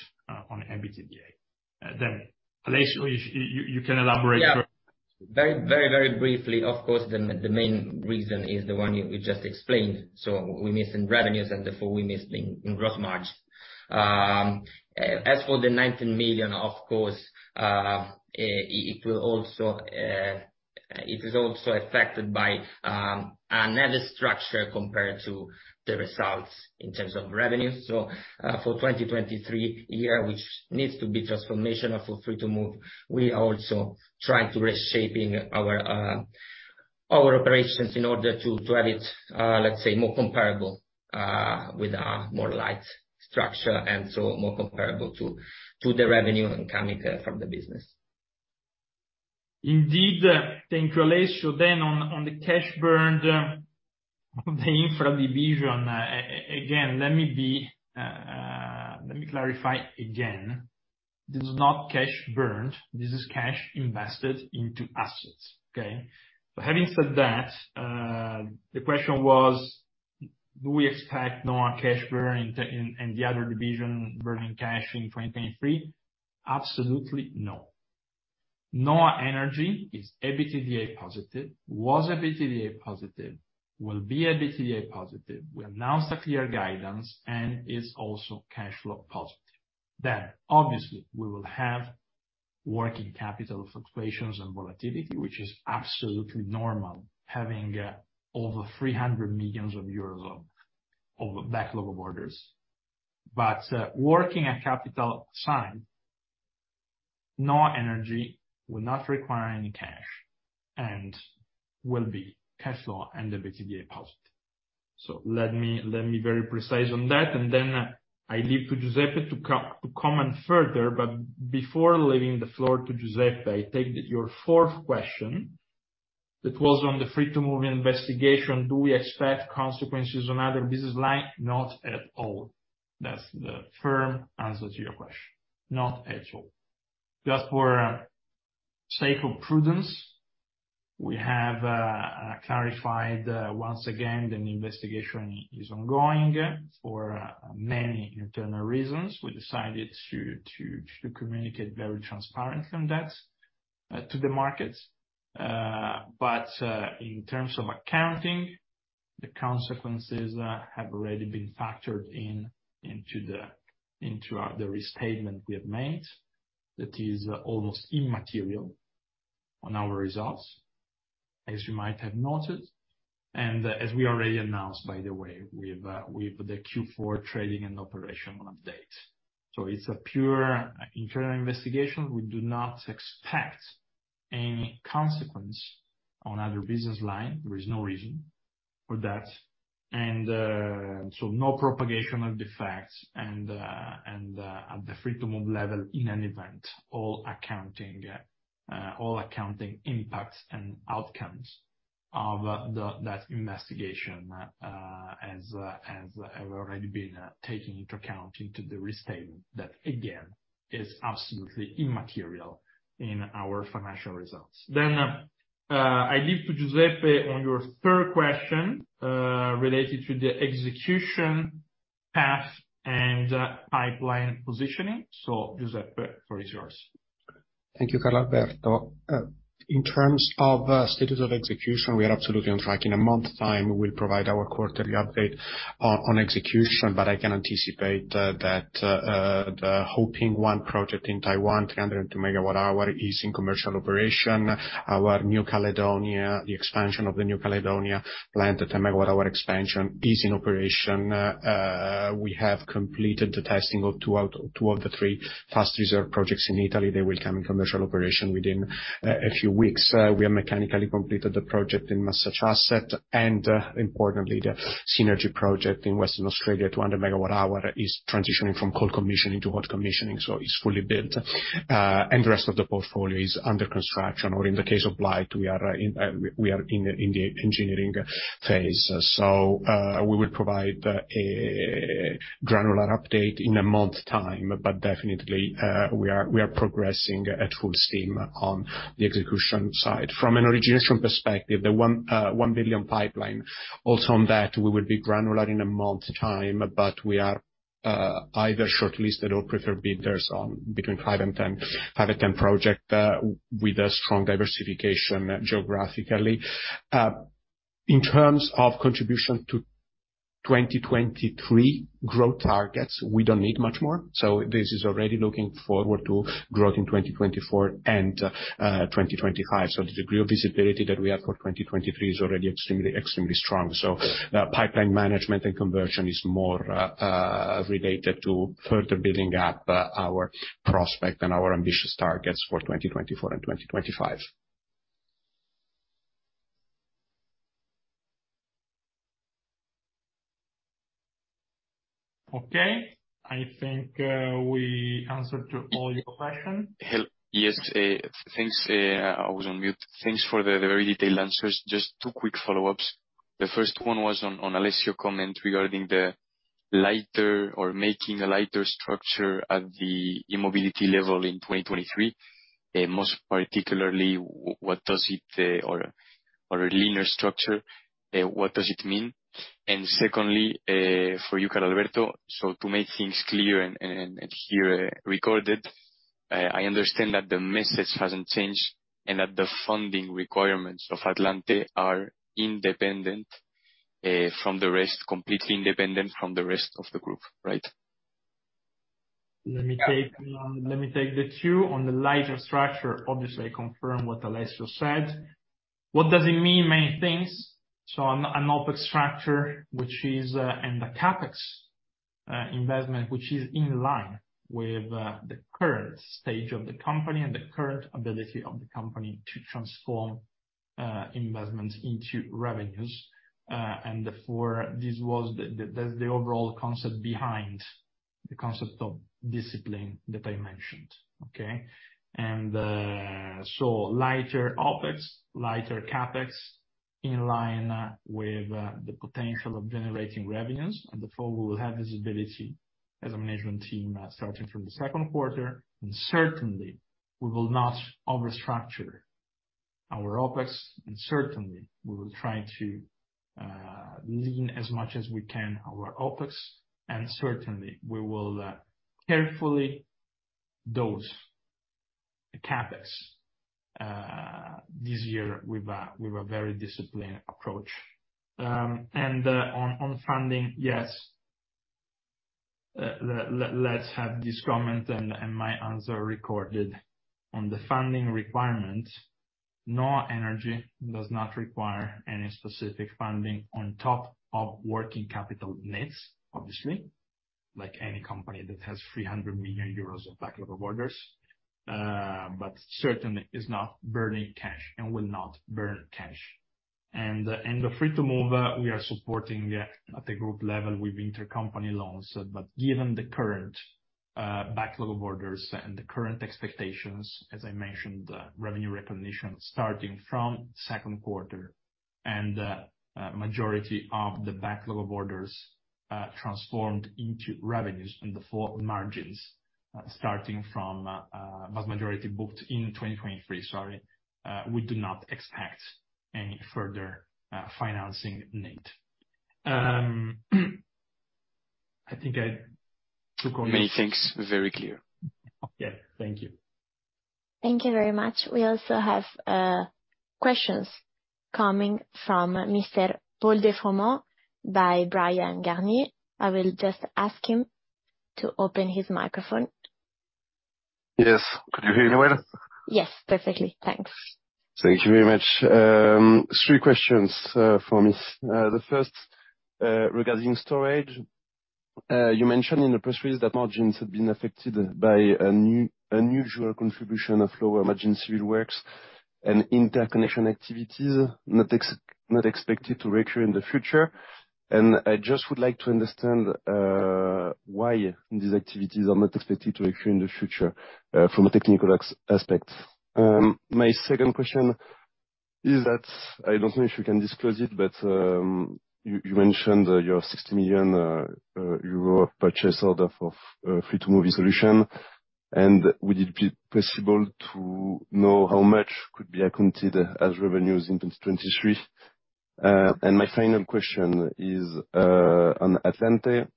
on EBITDA. Alessio if you can elaborate... Yeah. Very briefly, of course, the main reason is the one you just explained. We're missing revenues and therefore we're missing in gross margin. As for the 19 million, of course, it will also, it is also affected by another structure compared to the results in terms of revenue. For 2023 year, which needs to be transformational for Free2move, we are also trying to reshaping our operations in order to have it, let's say more comparable, with a more light structure and so more comparable to the revenue coming from the business. Indeed. Thank you, Alessio. On, on the cash burned of the infra division, again, let me be, let me clarify again, this is not cash burned, this is cash invested into assets, okay? Having said that, the question was, do we expect no more cash burn in the other division burning cash in 2023? Absolutely no. NHOA Energy is EBITDA positive, was EBITDA positive, will be EBITDA positive. We announced a clear guidance, and is also cash flow positive. Obviously we will have working capital fluctuations and volatility, which is absolutely normal, having over 300 million euros of backlog of orders. Working at capital sign, NHOA Energy will not require any cash and will be cash flow and EBITDA positive. Let me be very precise on that. I leave to Giuseppe to comment further. Before leaving the floor to Giuseppe, I take your fourth question, that was on the Free2move eSolutions investigation. Do we expect consequences on other business line? Not at all. That's the firm answer to your question. Not at all. Just for sake of prudence, we have clarified once again the investigation is ongoing. For many internal reasons, we decided to communicate very transparent on that to the markets. In terms of accounting, the consequences have already been factored in, into the restatement we have made that is almost immaterial on our results, as you might have noted, and as we already announced, by the way, with the Q4 trading and operational update. It's a pure internal investigation. We do not expect any consequence on other business line. There is no reason for that. No propagation of defects and at the Free2move level in an event, all accounting impacts and outcomes of that investigation has already been taken into account into the restatement that again, is absolutely immaterial in our financial results. I leave to Giuseppe on your third question related to the execution path and pipeline positioning. Giuseppe, the floor is yours. Thank you, Carlalberto. In terms of status of execution, we are absolutely on track. In a month time, we'll provide our quarterly update on execution, but I can anticipate that the Hoping one project in Taiwan, 300 MWh is in commercial operation. Our New Caledonia, the expansion of the New Caledonia plant, the 10 MWh expansion is in operation. We have completed the testing of two of the three Fast Reserve projects in Italy. They will come in commercial operation within a few weeks. We have mechanically completed the project in Massachusetts. Importantly, the Synergy project in Western Australia, 200 MWh, is transitioning from cold commissioning to hot commissioning, so it's fully built. The rest of the portfolio is under construction or in the case of light, we are in the engineering phase. We will provide a granular update in a month time, but definitely, we are progressing at full steam on the execution side. From an origination perspective, the 1 billion pipeline, also on that we will be granular in a month time, but we are either shortlisted or preferred bidders on between 5 and 10 project with a strong diversification geographically. In terms of contribution to 2023 growth targets, we don't need much more. This is already looking forward to growth in 2024 and 2025. The degree of visibility that we have for 2023 is already extremely strong. The pipeline management and conversion is more related to further building up our prospect and our ambitious targets for 2024 and 2025. Okay. I think, we answered to all your questions. yes, thanks, I was on mute. Thanks for the very detailed answers. Just two quick follow-ups. The first one was on Alessio comment regarding the lighter or making a lighter structure at the e-mobility level in 2023. Most particularly, what does it, or a leaner structure, what does it mean? Secondly, for you, Carlalberto, to make things clear and here recorded, I understand that the message hasn't changed, and that the funding requirements of Atlante are independent from the rest, completely independent from the rest of the group, right? On the lighter structure, obviously I confirm what Alessio said. What does it mean? Many things. An OpEx structure which is... A CapEx investment which is in line with the current stage of the company and the current ability of the company to transform investments into revenues. Therefore this was the overall concept behind the concept of discipline that I mentioned, okay? Lighter OpEx, lighter CapEx, in line with the potential of generating revenues, and therefore we will have this ability as a management team, starting from the 2. Certainly we will not overstructure our OpEx, certainly we will try to lean as much as we can our OpEx, certainly we will carefully dose the CapEx this year with a very disciplined approach. On funding, yes, let's have this comment and my answer recorded. On the funding requirements, NHOA Energy does not require any specific funding on top of working capital needs, obviously, like any company that has 300 million euros of backlog of orders. Certainly is not burning cash, and will not burn cash. The Free2move, we are supporting at the group level with intercompany loans. Given the current backlog of orders and the current expectations, as I mentioned, revenue recognition starting from 2Q, and majority of the backlog of orders transformed into revenues and default margins, starting from vast majority booked in 2023, sorry, we do not expect any further financing need. I think I took all the. Many thanks. Very clear. Yeah. Thank you. Thank you very much. We also have questions coming from Mr. Paul Desforges by Bryan, Garnier & Co. I will just ask him to open his microphone. Yes. Could you hear me well? Yes. Perfectly. Thanks. Thank you very much. Three questions for me. The first, regarding storage. You mentioned in the press release that margins had been affected by an unusual contribution of lower margin civil works and interconnection activities not expected to recur in the future. I just would like to understand why these activities are not expected to recur in the future from a technical aspect. My second question is that, I don't know if you can disclose it, but you mentioned your 60 million euro purchase order for Free2move eSolutions. Would it be possible to know how much could be accounted as revenues in 2023? My final question is on Atlante.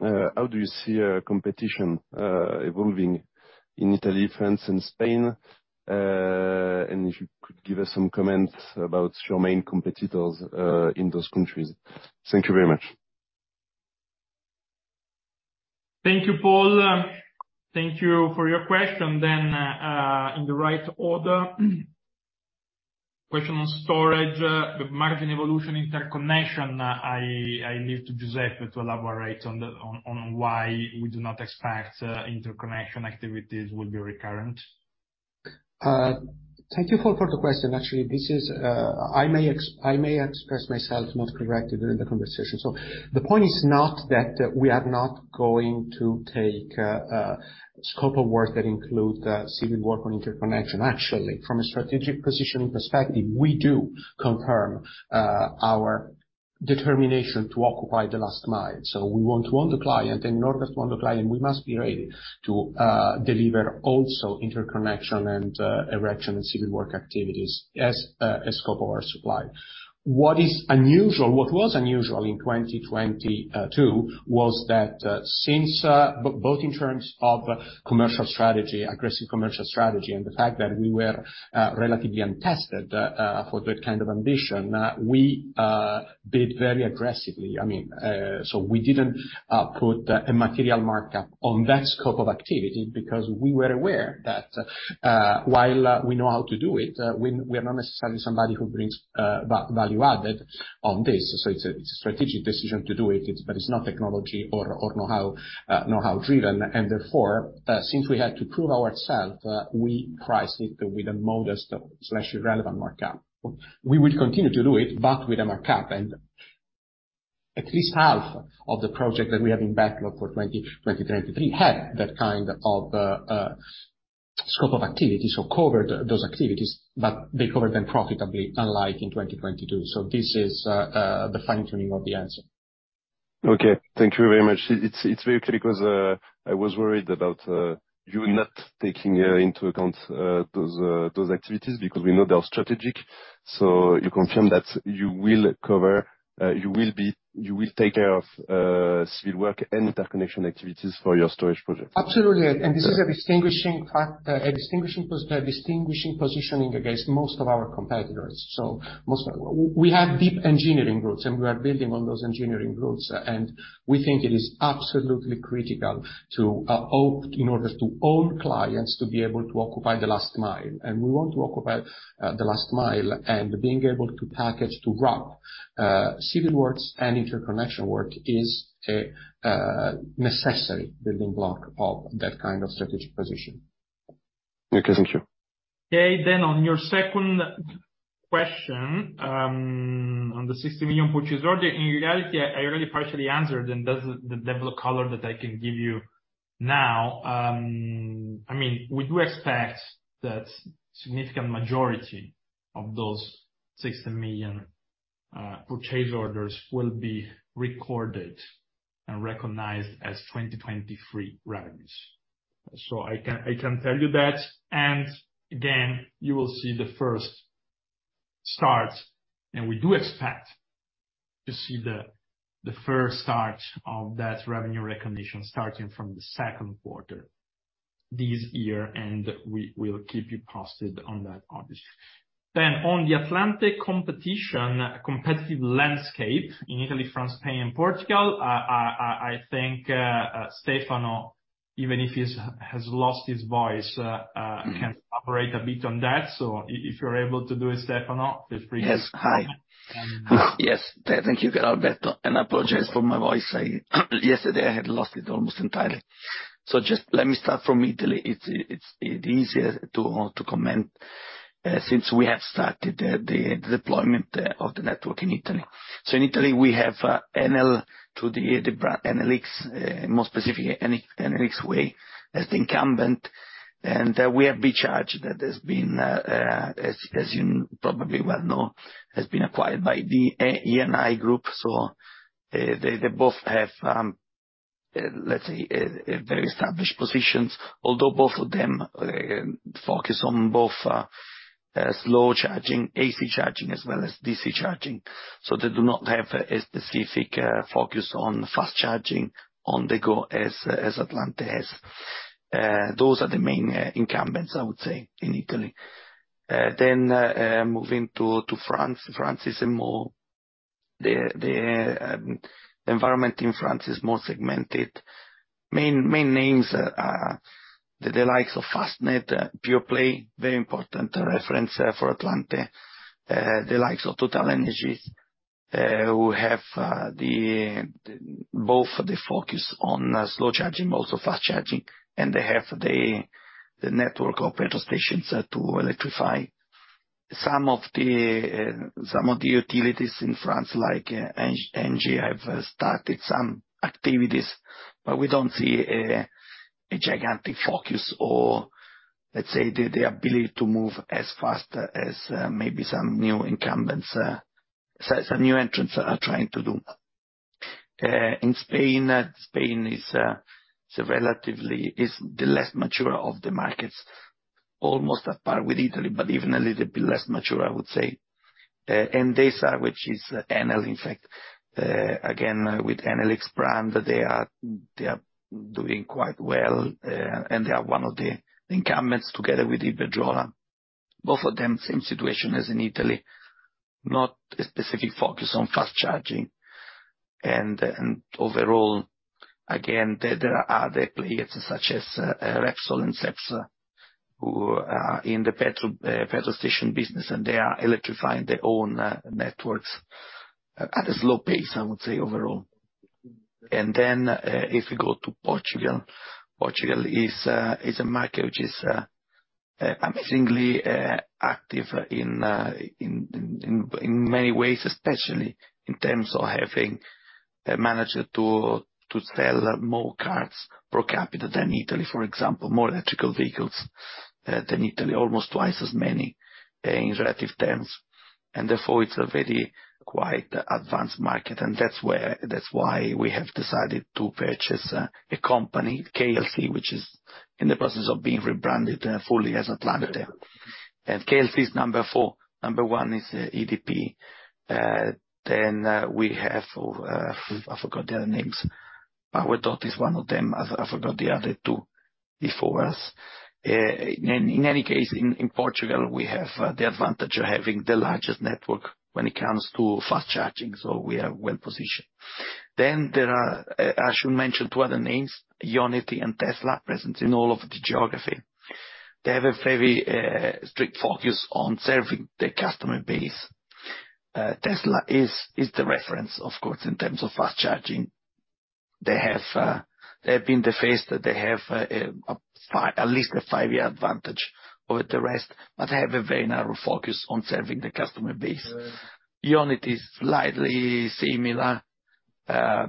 How do you see competition evolving in Italy, France and Spain? If you could give us some comments about your main competitors, in those countries. Thank you very much. Thank you, Paul. Thank you for your question. In the right order, question on storage. The margin evolution interconnection, I leave to Giuseppe to elaborate on why we do not expect interconnection activities will be recurrent. Thank you, Paul, for the question. Actually, this is. I may express myself not correctly during the conversation. The point is not that we are not going to take a scope of work that includes civil work on interconnection. Actually, from a strategic positioning perspective, we do confirm our determination to occupy the last mile. We want to own the client, and in order to own the client, we must be ready to deliver also interconnection and erection and civil work activities as a scope of our supply. What is unusual, what was unusual in 2022, was that since both in terms of commercial strategy, aggressive commercial strategy, and the fact that we were relatively untested for that kind of ambition, we bid very aggressively. I mean, we didn't put a material markup on that scope of activity because we were aware that, while we know how to do it, we are not necessarily somebody who brings value added on this. It's a strategic decision to do it, but it's not technology or know-how driven. Therefore, since we had to prove ourselves, we priced it with a modest/relevant markup. We will continue to do it, but with a markup. At least half of the project that we have in backlog for 2023 have that kind of scope of activity, so cover those activities, but they cover them profitably unlike in 2022. This is the fine-tuning of the answer. Okay. Thank you very much. It's, it's very clear because, I was worried about, you not taking, into account, those activities because we know they are strategic. You confirm that you will cover, you will take care of, civil work and interconnection activities for your storage project? Absolutely. This is a distinguishing positioning against most of our competitors. Most of our... We have deep engineering roots, and we are building on those engineering roots. We think it is absolutely critical to in order to own clients, to be able to occupy the last mile. We want to occupy the last mile and being able to package, to wrap, civil works and interconnection work is a necessary building block of that kind of strategic position. Okay, thank you. Okay. On your second question, on the 60 million purchase order, in reality I already partially answered, and that's the level of color that I can give you now. I mean, we do expect that significant majority of those 60 million purchase orders will be recorded and recognized as 2023 revenues. I can tell you that, you will see the first start, we do expect to see the first start of that revenue recognition starting from the Q2 this year, we will keep you posted on that obviously. On the Atlante competition, competitive landscape in Italy, France, Spain and Portugal, I think Stefano, even if he has lost his voice, can operate a bit on that. If you're able to do it, Stefano, feel free. Yes. Hi. Yes, thank you, Alberto, and apologies for my voice. I yesterday, I had lost it almost entirely. Just let me start from Italy. It's easier to comment since we have started the deployment of the network in Italy. In Italy, we have Enel through the brand Enel X, more specifically Enel X Way, as the incumbent. We have BeCharge that has been, as you probably well know, has been acquired by the Eni group. They both have, let's say, very established positions. Although both of them focus on both slow charging, AC charging, as well as DC charging. They do not have a specific focus on fast charging on the go as Atlante has. Those are the main incumbents, I would say, in Italy. Moving to France. The environment in France is more segmented. Main names are the likes of Fastned, pure-play, very important reference for Atlante, the likes of TotalEnergies, who have both the focus on slow charging, also fast charging, and they have the network of petrol stations to electrify. Some of the utilities in France, like Engie, have started some activities, but we don't see a gigantic focus or let's say the ability to move as fast as maybe some new incumbents, some new entrants are trying to do. In Spain is relatively is the less mature of the markets, almost at par with Italy, but even a little bit less mature, I would say. Endesa, which is Enel, in fact, again, with Enel X brand, they are doing quite well, and they are one of the incumbents together with Iberdrola. Both of them, same situation as in Italy, not a specific focus on fast charging. Overall, again, there are other players such as Repsol and Cepsa, who are in the petrol station business, and they are electrifying their own networks at a slow pace, I would say, overall. Then, if you go to Portugal is a market which is amazingly active in many ways, especially in terms of having managed to sell more cars per capita than Italy, for example, more electrical vehicles than Italy, almost twice as many in relative terms. Therefore it's a very quite advanced market. That's why we have decided to purchase a company, KLC, which is in the process of being rebranded fully as Atlante. KLC is number four. Number one is EDP. Then, we have, I forgot their names. Powerdot is one of them. I forgot the other two before us. In any case, in Portugal, we have the advantage of having the largest network when it comes to fast charging, we are well positioned. There are, I should mention two other names, Ionity and Tesla, present in all of the geography. They have a very strict focus on serving their customer base. Tesla is the reference, of course, in terms of fast charging. They have been the first. They have at least a 5-year advantage over the rest, they have a very narrow focus on serving the customer base. Ionity is slightly similar, I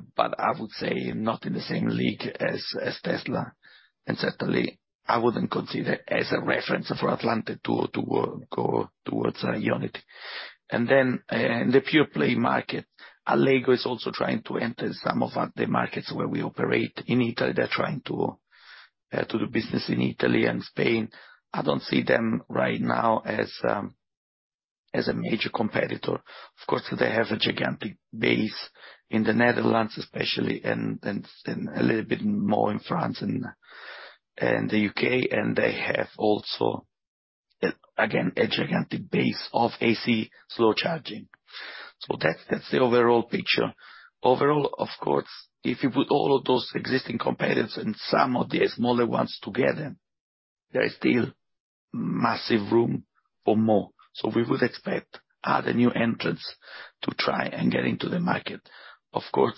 would say not in the same league as Tesla and certainly I wouldn't consider as a reference for Atlante to go towards Ionity. In the pure play market, Allego is also trying to enter some of the markets where we operate in Italy. They're trying to do business in Italy and Spain. I don't see them right now as a major competitor. Of course, they have a gigantic base in the Netherlands, especially, and a little bit more in France and the UK, and they have also, again, a gigantic base of AC slow charging. That's the overall picture. Overall, of course, if you put all of those existing competitors and some of the smaller ones together, there is still massive room for more. We would expect the new entrants to try and get into the market. Of course,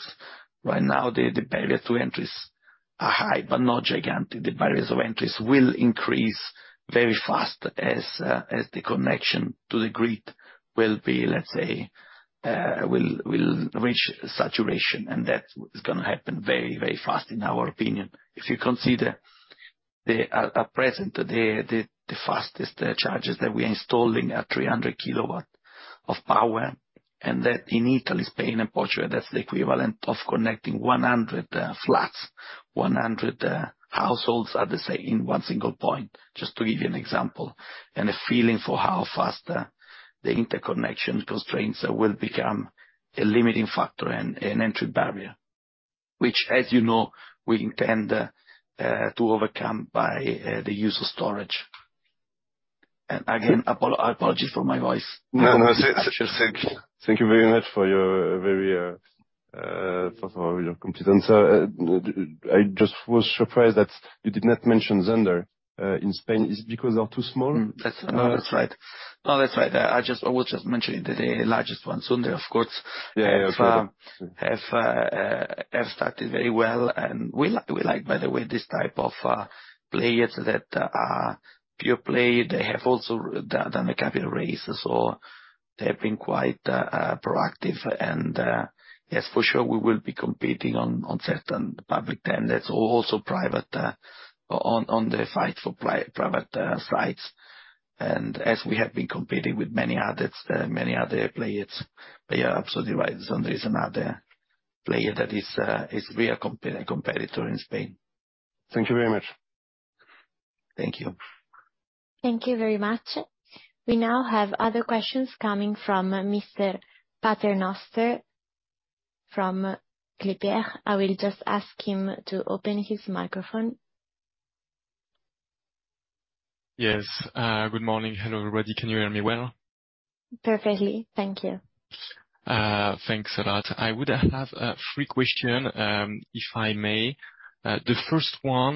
right now the barrier to entries are high, but not gigantic. The barriers of entries will increase very fast as the connection to the grid will be, let's say, will reach saturation, and that is gonna happen very, very fast in our opinion. If you consider the present, the fastest charges that we're installing are 300 kilowatt of power, and that in Italy, Spain and Portugal, that's the equivalent of connecting 100 flats, 100 households, I would say, in one single point, just to give you an example and a feeling for how fast the interconnection constraints will become a limiting factor and an entry barrier, which, as you know, we intend to overcome by the use of storage. Again, apologies for my voice. No, no. Thank you very much for your very for your complete answer. I just was surprised that you did not mention Zunder in Spain. Is it because they are too small? No, that's right. I was just mentioning the largest one. Zunder, of course. Yeah, yeah. have started very well. We like, by the way, this type of players that are pure play. They have also done a capital raise, so they've been quite proactive and yes, for sure we will be competing on certain public tenders, also private, on the fight for private sites. As we have been competing with many others, many other players. You're absolutely right, Zunder is another player that is real competitor in Spain. Thank you very much. Thank you. Thank you very much. We now have other questions coming from Mr. Paternoster, from Clairfield. I will just ask him to open his microphone. Yes. Good morning. Hello, everybody. Can you hear me well? Perfectly. Thank you. Thanks a lot. I would have 3 questions, if I may? The first one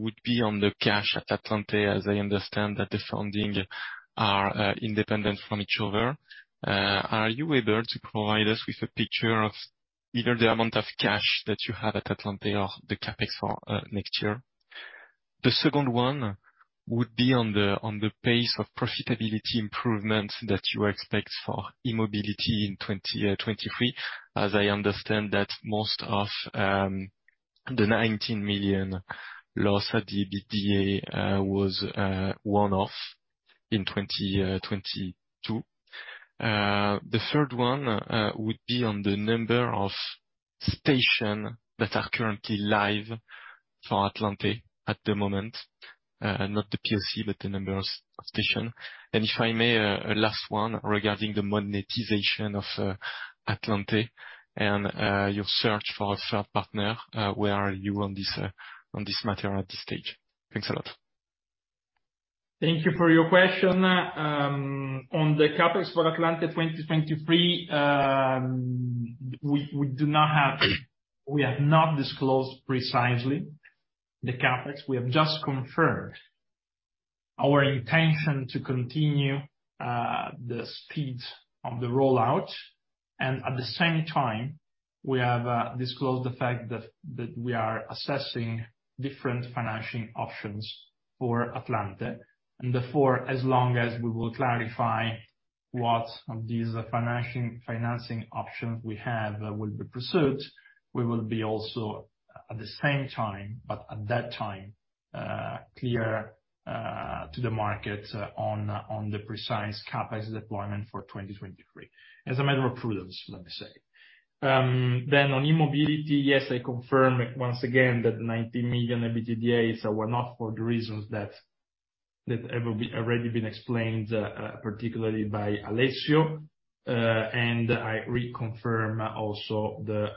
would be on the cash Atlante, as I understand that the funding is independent from each other. Are you able to provide us with a picture of either the amount of cash that you have at Atlante or the CapEx for next year? The second one would be on the pace of profitability improvements that you expect for e-mobility in 2023. As I understand that most of the 19 million loss at EBITDA was one-off in 2022. The third one would be on the number of stations that are currently live for Atlante at the moment, not the PLC, but the number of stations. If I may, a last one regarding the monetization of Atlante and your search for a third partner, where are you on this matter at this stage? Thanks a lot. Thank you for your question. On the CapEx for Atlante 2023, we have not disclosed precisely the CapEx. We have just confirmed our intention to continue the speed on the rollout and at the same time, we have disclosed the fact that we are assessing different financial options for Atlante. Therefore, as long as we will clarify what these financing options we have will be pursued, we will be also at the same time, but at that time, clear to the market on the precise CapEx deployment for 2023. As a matter of prudence, let me say. On e-mobility, yes, I confirm once again that the 19 million EBITDA is a one-off for the reasons that have already been explained particularly by Alessio. I reconfirm also the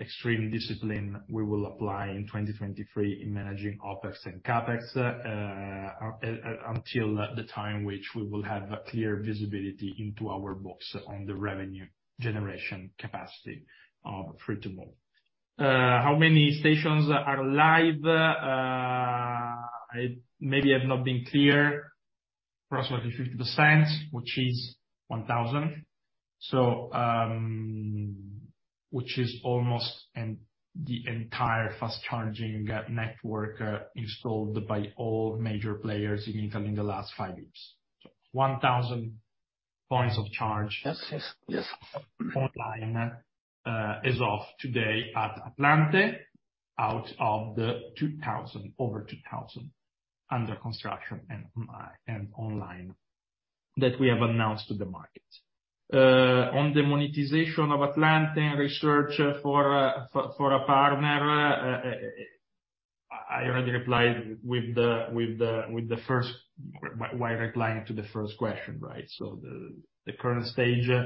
extreme discipline we will apply in 2023 in managing OpEx and CapEx until the time which we will have clear visibility into our books on the revenue generation capacity of Free2move. How many stations are live? I maybe have not been clear. Approximately 50%, which is 1,000. Which is almost the entire fast charging network installed by all major players in Italy in the last five years. 1,000 points of charge. Yes. Online, as of today at Atlante, out of the 2,000, over 2,000 under construction and online that we have announced to the market. On the monetization of Atlante research for a partner, I already replied with the first... W-while replying to the first question, right? So the, the current stage, uh,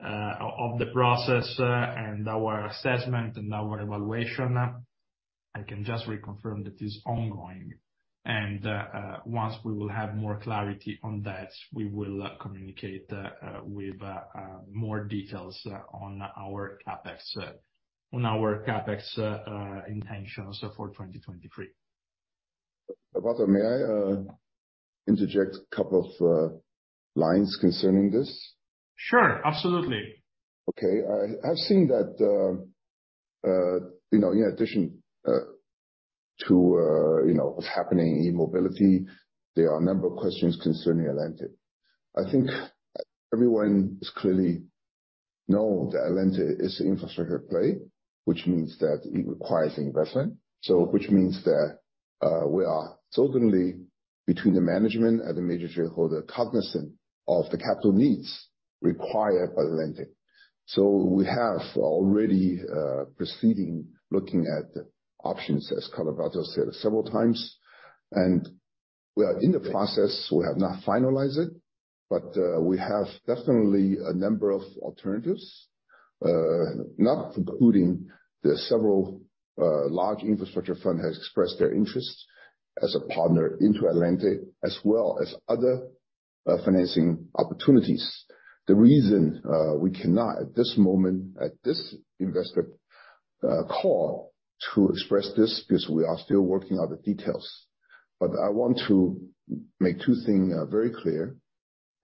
uh, of the process, uh, and our assessment and our evaluation, I can just reconfirm that is ongoing. And, uh, uh, once we will have more clarity on that, we will, uh, communicate, uh, with, uh, uh, more details on our CapEx, uh, on our CapEx, uh, uh, intentions for 2023. Carlo, may I interject a couple of lines concerning this? Sure. Absolutely. Okay. I've seen that, you know, in addition to, you know, what's happening in e-mobility, there are a number of questions concerning Atlante. I think everyone is clearly know that Atlante is an infrastructure play, which means that it requires investment. Which means that, we are certainly, between the management and the major shareholder, cognizant of the capital needs required by Atlante. We have already proceeding looking at options, as Carlalberto said several times, and we are in the process. We have not finalized it, but, we have definitely a number of alternatives, not precluding the several large infrastructure fund has expressed their interest as a partner into Atlante as well as other financing opportunities. The reason we cannot at this moment, at this investor call to express this because we are still working out the details. I want to make two things very clear.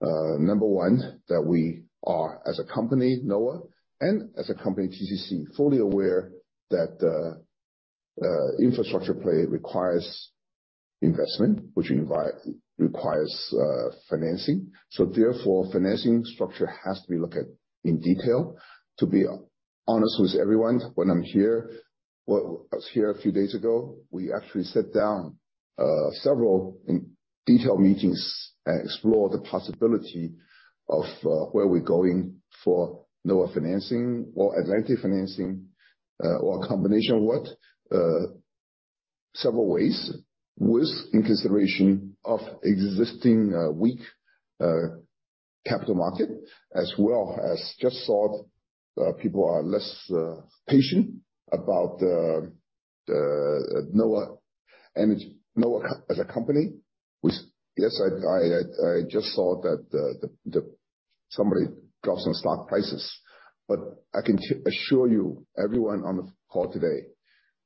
Number one, that we are, as a company, NHOA, and as a company, TCC, fully aware that infrastructure play requires investment, which requires financing. Therefore, financing structure has to be looked at in detail. To be honest with everyone, when I'm here, was here a few days ago, we actually sat down, several detailed meetings and explored the possibility of where we're going for NHOA financing or Atlante financing, or a combination what, several ways with consideration of existing, weak, capital market as well as just saw, people are less, patient about NHOA Energy, NHOA as a company, which, yes, I just saw that the somebody drops on stock prices. I can assure you, everyone on the call today,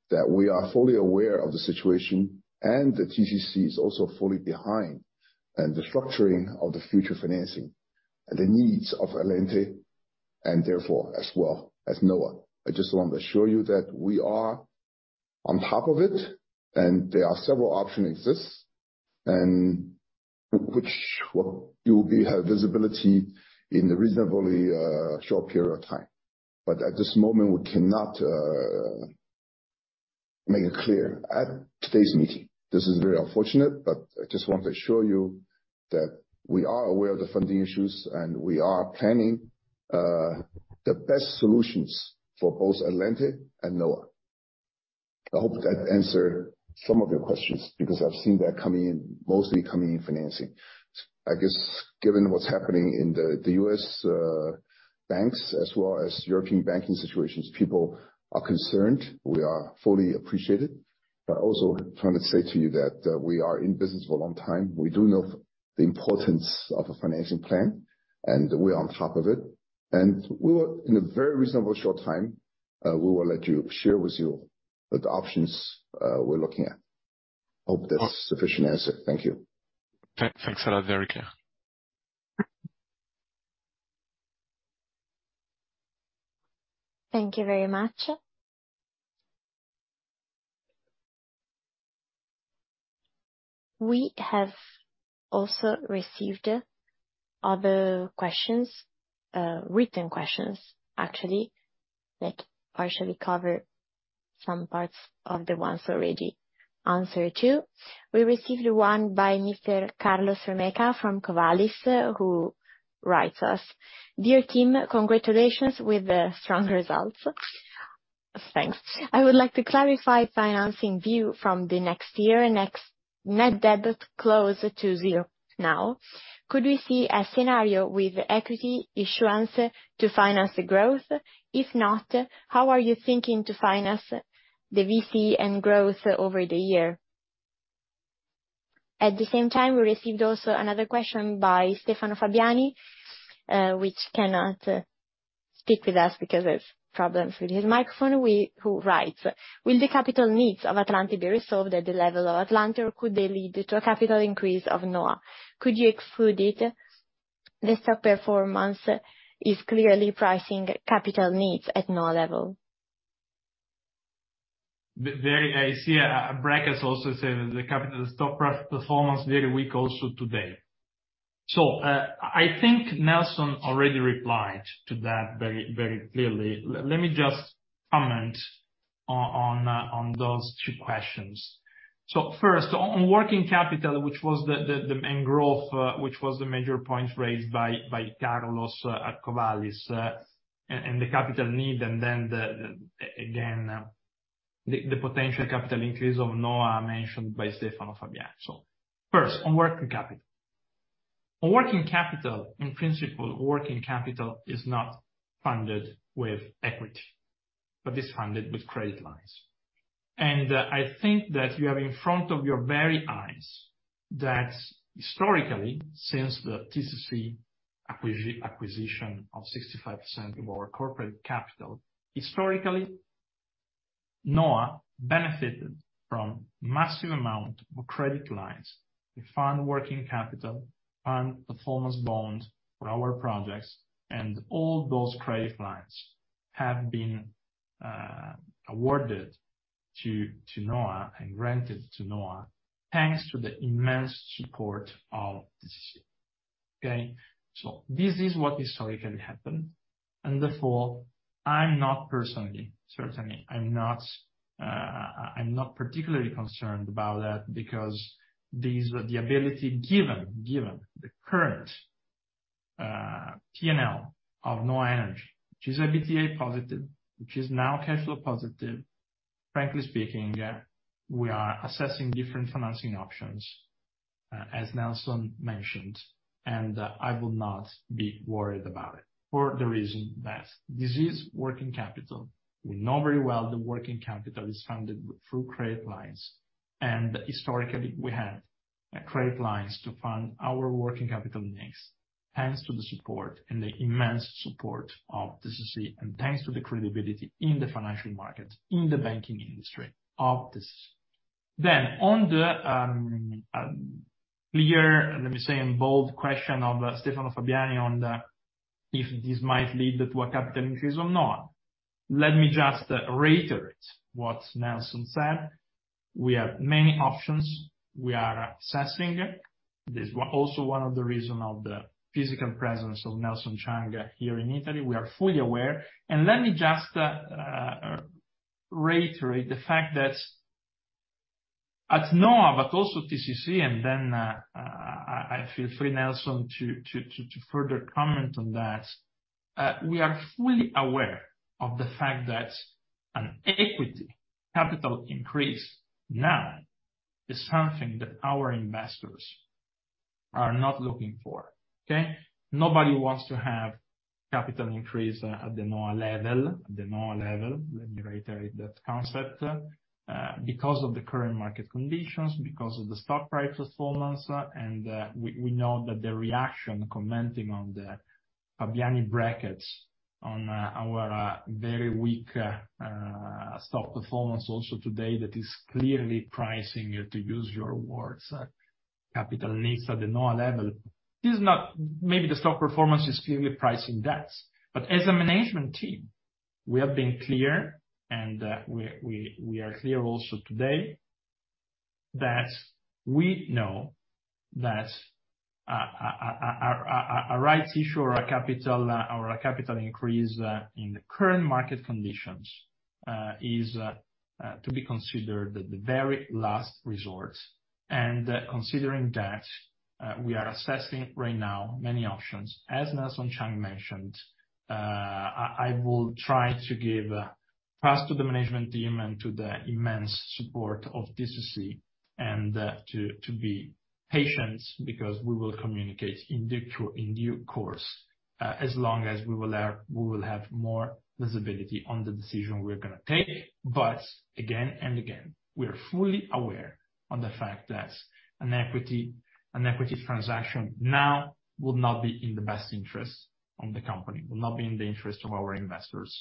that we are fully aware of the situation, and that TCC is also fully behind in the structuring of the future financing and the needs of Atlante and therefore as well as NHOA. I just want to assure you that we are on top of it, there are several options exist and which will you have visibility in a reasonably short period of time. At this moment, we cannot make it clear at today's meeting. This is very unfortunate, I just want to assure you that we are aware of the funding issues, we are planning the best solutions for both Atlante and NHOA. I hope that answered some of your questions, because I've seen they're coming in, mostly coming in financing. I guess, given what's happening in the U.S. banks as well as European banking situations, people are concerned. We are fully appreciate it. I also want to say to you that we are in business for a long time. We do know the importance of a financing plan, and we are on top of it. We will, in a very reasonable short time, we will let you, share with you the options, we're looking at. Hope that's sufficient answer. Thank you. Thanks alot very clear. Very clear. Thank you very much. We have also received other questions, written questions, actually, that partially cover some parts of the ones already answered, too. We received one by Mr. Carlos Remacha from Covalis, who writes us, "Dear team, congratulations with the strong results." Thanks. "I would like to clarify financing view from the next year. Next net debt close to zero now. Could we see a scenario with equity issuance to finance growth? If not, how are you thinking to finance the VC and growth over the year?" At the same time, we received also another question by Stefano Fabiani, which cannot speak with us because of problems with his microphone. Who writes, "Will the capital needs of Atlante be resolved at the level of Atlante, or could they lead to a capital increase of NHOA? Could you exclude it? The stock performance is clearly pricing capital needs at NHOA level. There I see a bracket also saying that the capital stock performance very weak also today. I think Nelson already replied to that very, very clearly. Let me just comment on those two questions. First, on working capital, which was the main growth, which was the major points raised by Carlos at Covalis, and the capital need, and then again, the potential capital increase of NHOA mentioned by Stefano Fabiani. First, on working capital. On working capital, in principle, working capital is not funded with equity, but is funded with credit lines. I think that you have in front of your very eyes that historically, since the TCC acquisition of 65% of our corporate capital, historically, NHOA benefited from massive amount of credit lines to fund working capital, fund performance bond for our projects, and all those credit lines have been awarded to NHOA and granted to NHOA, thanks to the immense support of TCC. Okay? This is what historically happened. Therefore, I'm not personally, certainly I'm not particularly concerned about that because these were the ability given the current P&L of NHOA Energy, which is EBITDA positive, which is now cash flow positive. Frankly speaking, we are assessing different financing options, as Nelson mentioned, and I would not be worried about it for the reason that this is working capital. We know very well the working capital is funded through credit lines. Historically, we have credit lines to fund our working capital needs, thanks to the support and the immense support of TCC, and thanks to the credibility in the financial market, in the banking industry of this. On the clear, let me say in bold question of Stefano Fabiani on the, if this might lead to a capital increase or not. Let me just reiterate what Nelson said. We have many options. We are assessing. This also one of the reason of the physical presence of Nelson Chang here in Italy. We are fully aware. Let me just reiterate the fact that at NHOA, also TCC, I feel free, Nelson, to further comment on that, we are fully aware of the fact that an equity capital increase now is something that our investors are not looking for. Okay? Nobody wants to have capital increase at the NHOA level, let me reiterate that concept, because of the current market conditions, because of the stock price performance. We know that the reaction commenting on the Fabiani brackets on our very weak stock performance also today that is clearly pricing, to use your words, capital needs at the NHOA level. This is not. Maybe the stock performance is clearly pricing that. As a management team, we have been clear, and we are clear also today that we know that a rights issue or a capital increase in the current market conditions is to be considered the very last resort. Considering that we are assessing right now many options, as Nelson Chang mentioned, I will try to give trust to the management team and to the immense support of TCC and to be patient because we will communicate in due course as long as we will have more visibility on the decision we're gonna take. Again and again, we are fully aware on the fact that an equity transaction now will not be in the best interest of the company, will not be in the interest of our investors.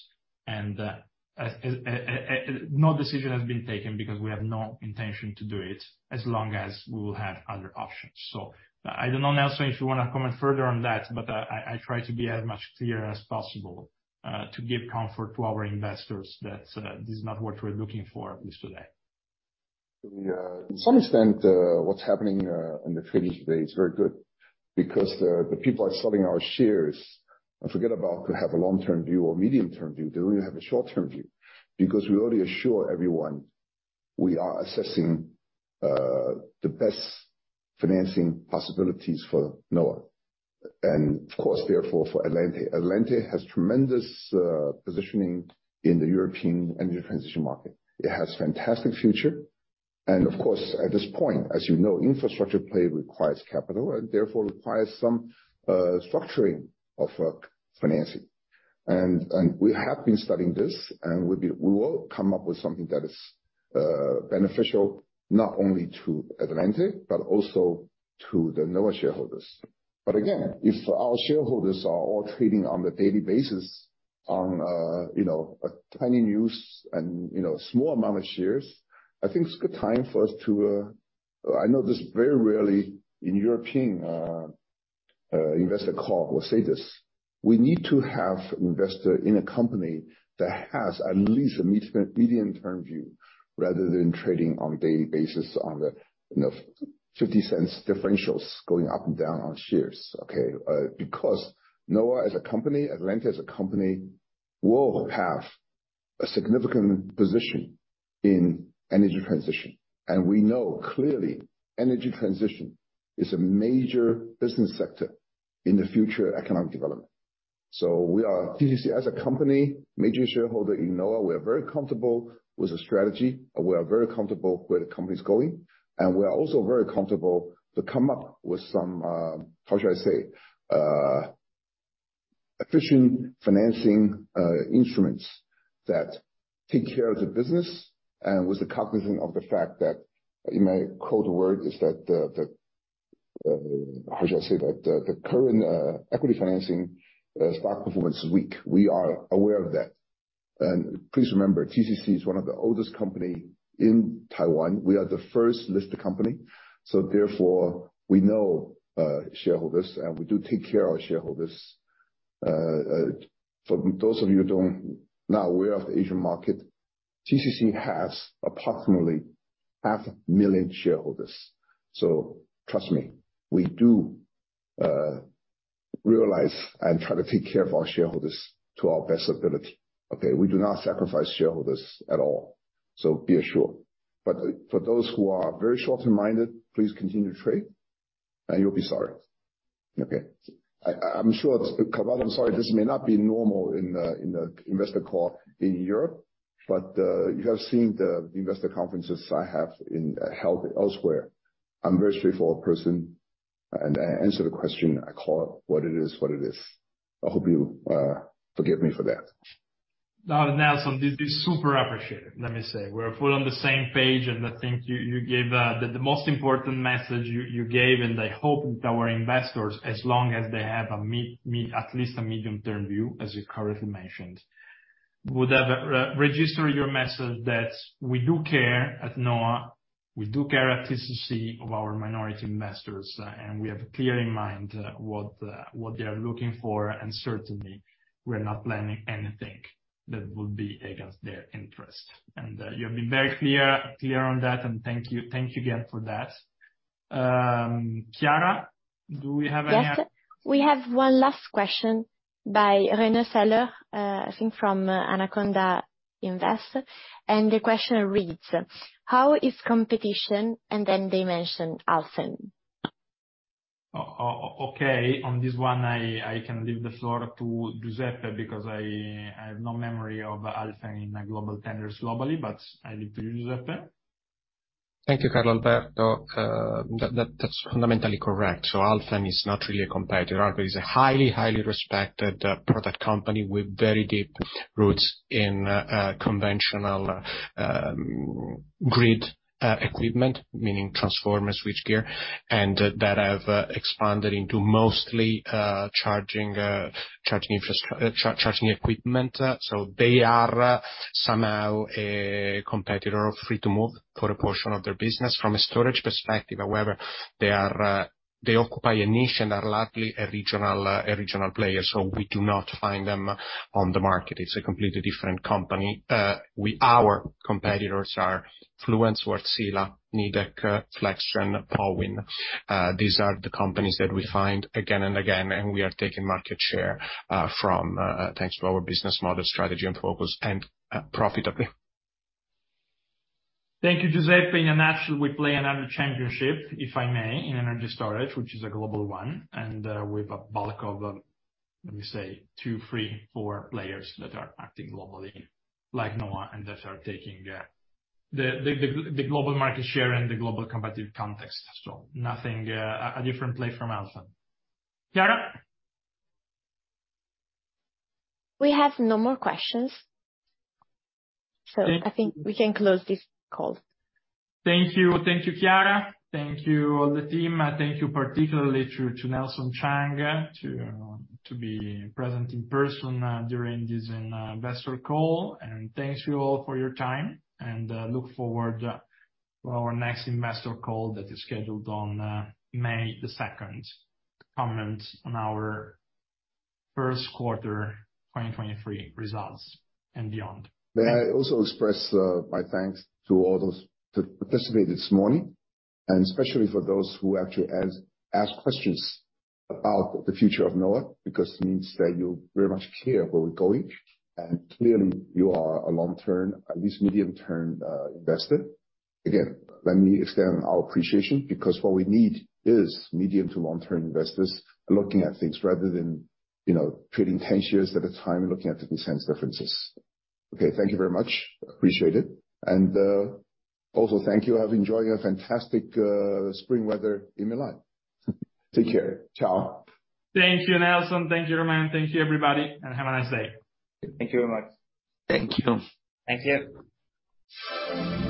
No decision has been taken because we have no intention to do it as long as we will have other options. I don't know, Nelson, if you want to comment further on that, but I try to be as much clear as possible to give comfort to our investors that this is not what we're looking for, at least today. To some extent, what's happening in the finish today is very good because the people are selling our shares and forget about to have a long-term view or medium-term view. They only have a short-term view, because we already assure everyone we are assessing, the best financing possibilities for NHOA and of course, therefore for Atlante. Atlante has tremendous positioning in the European energy transition market. It has fantastic future. Of course, at this point, as you know, infrastructure play requires capital and therefore requires some structuring of financing. We have been studying this, and we will come up with something that is beneficial not only to Atlante but also to the NHOA shareholders. Again, if our shareholders are all trading on a daily basis on, you know, a tiny news and, you know, small amount of shares, I think it's a good time for us to. I know this very rarely in European investor call will say this: We need to have investor in a company that has at least a medium term view, rather than trading on daily basis on the, you know, 0.50 differentials going up and down on shares, okay? Because NHOA as a company, Atlante as a company, will have a significant position in energy transition, and we know clearly energy transition is a major business sector in the future economic development. We are TCC as a company, major shareholder in NHOA. We are very comfortable with the strategy. We are very comfortable where the company's going. We are also very comfortable to come up with some, how should I say? Efficient financing instruments that take care of the business, and with the cognizant of the fact that, in my quote word, is that the, how should I say that? The current equity financing stock performance is weak. We are aware of that. Please remember, TCC is one of the oldest company in Taiwan. We are the first listed company. Therefore, we know shareholders, and we do take care of our shareholders. For those of you who are not aware of the Asian market, TCC has approximately half million shareholders. Trust me, we do realize and try to take care of our shareholders to our best ability, okay? We do not sacrifice shareholders at all, so be assured. For those who are very short-term minded, please continue to trade, and you'll be sorry. Okay. I'm sure, Carlo, I'm sorry, this may not be normal in the investor call in Europe, but you have seen the investor conferences I have held elsewhere. I'm very straightforward person and I answer the question, I call it what it is, what it is. I hope you forgive me for that. No, Nelson, this is super appreciated. Let me say. We're full on the same page, and I think you gave the most important message you gave, and I hope that our investors, as long as they have At least a medium-term view, as you correctly mentioned, would have register your message that we do care at NHOA, we do care at TCC of our minority investors, and we have clear in mind what they are looking for. Certainly we're not planning anything that would be against their interest. You have been very clear on that, and thank you again for that. Chiara, do we have any- Yes. We have one last question by Renaud Tassin, I think from Anaconda Invest. The question reads, "How is competition?" Then they mention Alfen. Okay. On this one, I can leave the floor to Giuseppe because I have no memory of Alfen in my global tenders globally. I leave to you, Giuseppe. Thank you, Carlalberto. That's fundamentally correct. Alfen is not really a competitor, but is a highly respected product company with very deep roots in conventional grid equipment, meaning transformers, switchgear, and that have expanded into mostly charging equipment. They are somehow a competitor of Free2move for a portion of their business. From a storage perspective, however, they occupy a niche and are largely a regional player, so we do not find them on the market. It's a completely different company. Our competitors are Fluence, Wärtsilä, Nidec, Sungrow, Powin. These are the companies that we find again and again, and we are taking market share from thanks to our business model, strategy and focus, and profitably. Thank you, Giuseppe. In a nutshell, we play another championship, if I may, in energy storage, which is a global one, and with a bulk of, let me say 2, 3, 4 players that are acting globally, like NHOA, and that are taking the global market share and the global competitive context. Nothing, a different play from Alfen. Chiara? We have no more questions. I think we can close this call. Thank you. Thank you, Chiara. Thank you all the team. Thank you particularly to Nelson Chang to be present in person during this investor call. Thanks you all for your time and look forward to our next investor call that is scheduled on May the second to comment on our Q1 2023 results and beyond. May I also express my thanks to all those that participated this morning, and especially for those who actually ask questions about the future of NHOA, because it means that you very much care where we're going, and clearly you are a long-term, at least medium-term investor. Again, let me extend our appreciation, because what we need is medium to long-term investors looking at things rather than, you know, trading ten shares at a time and looking at the consensus differences. Okay, thank you very much. Appreciate it. Also thank you. I've enjoyed your fantastic spring weather in Milan. Take care. Ciao. Thank you, Nelson. Thank you, Romain. Thank you, everybody, and have a nice day. Thank you very much. Thank you. Thank you.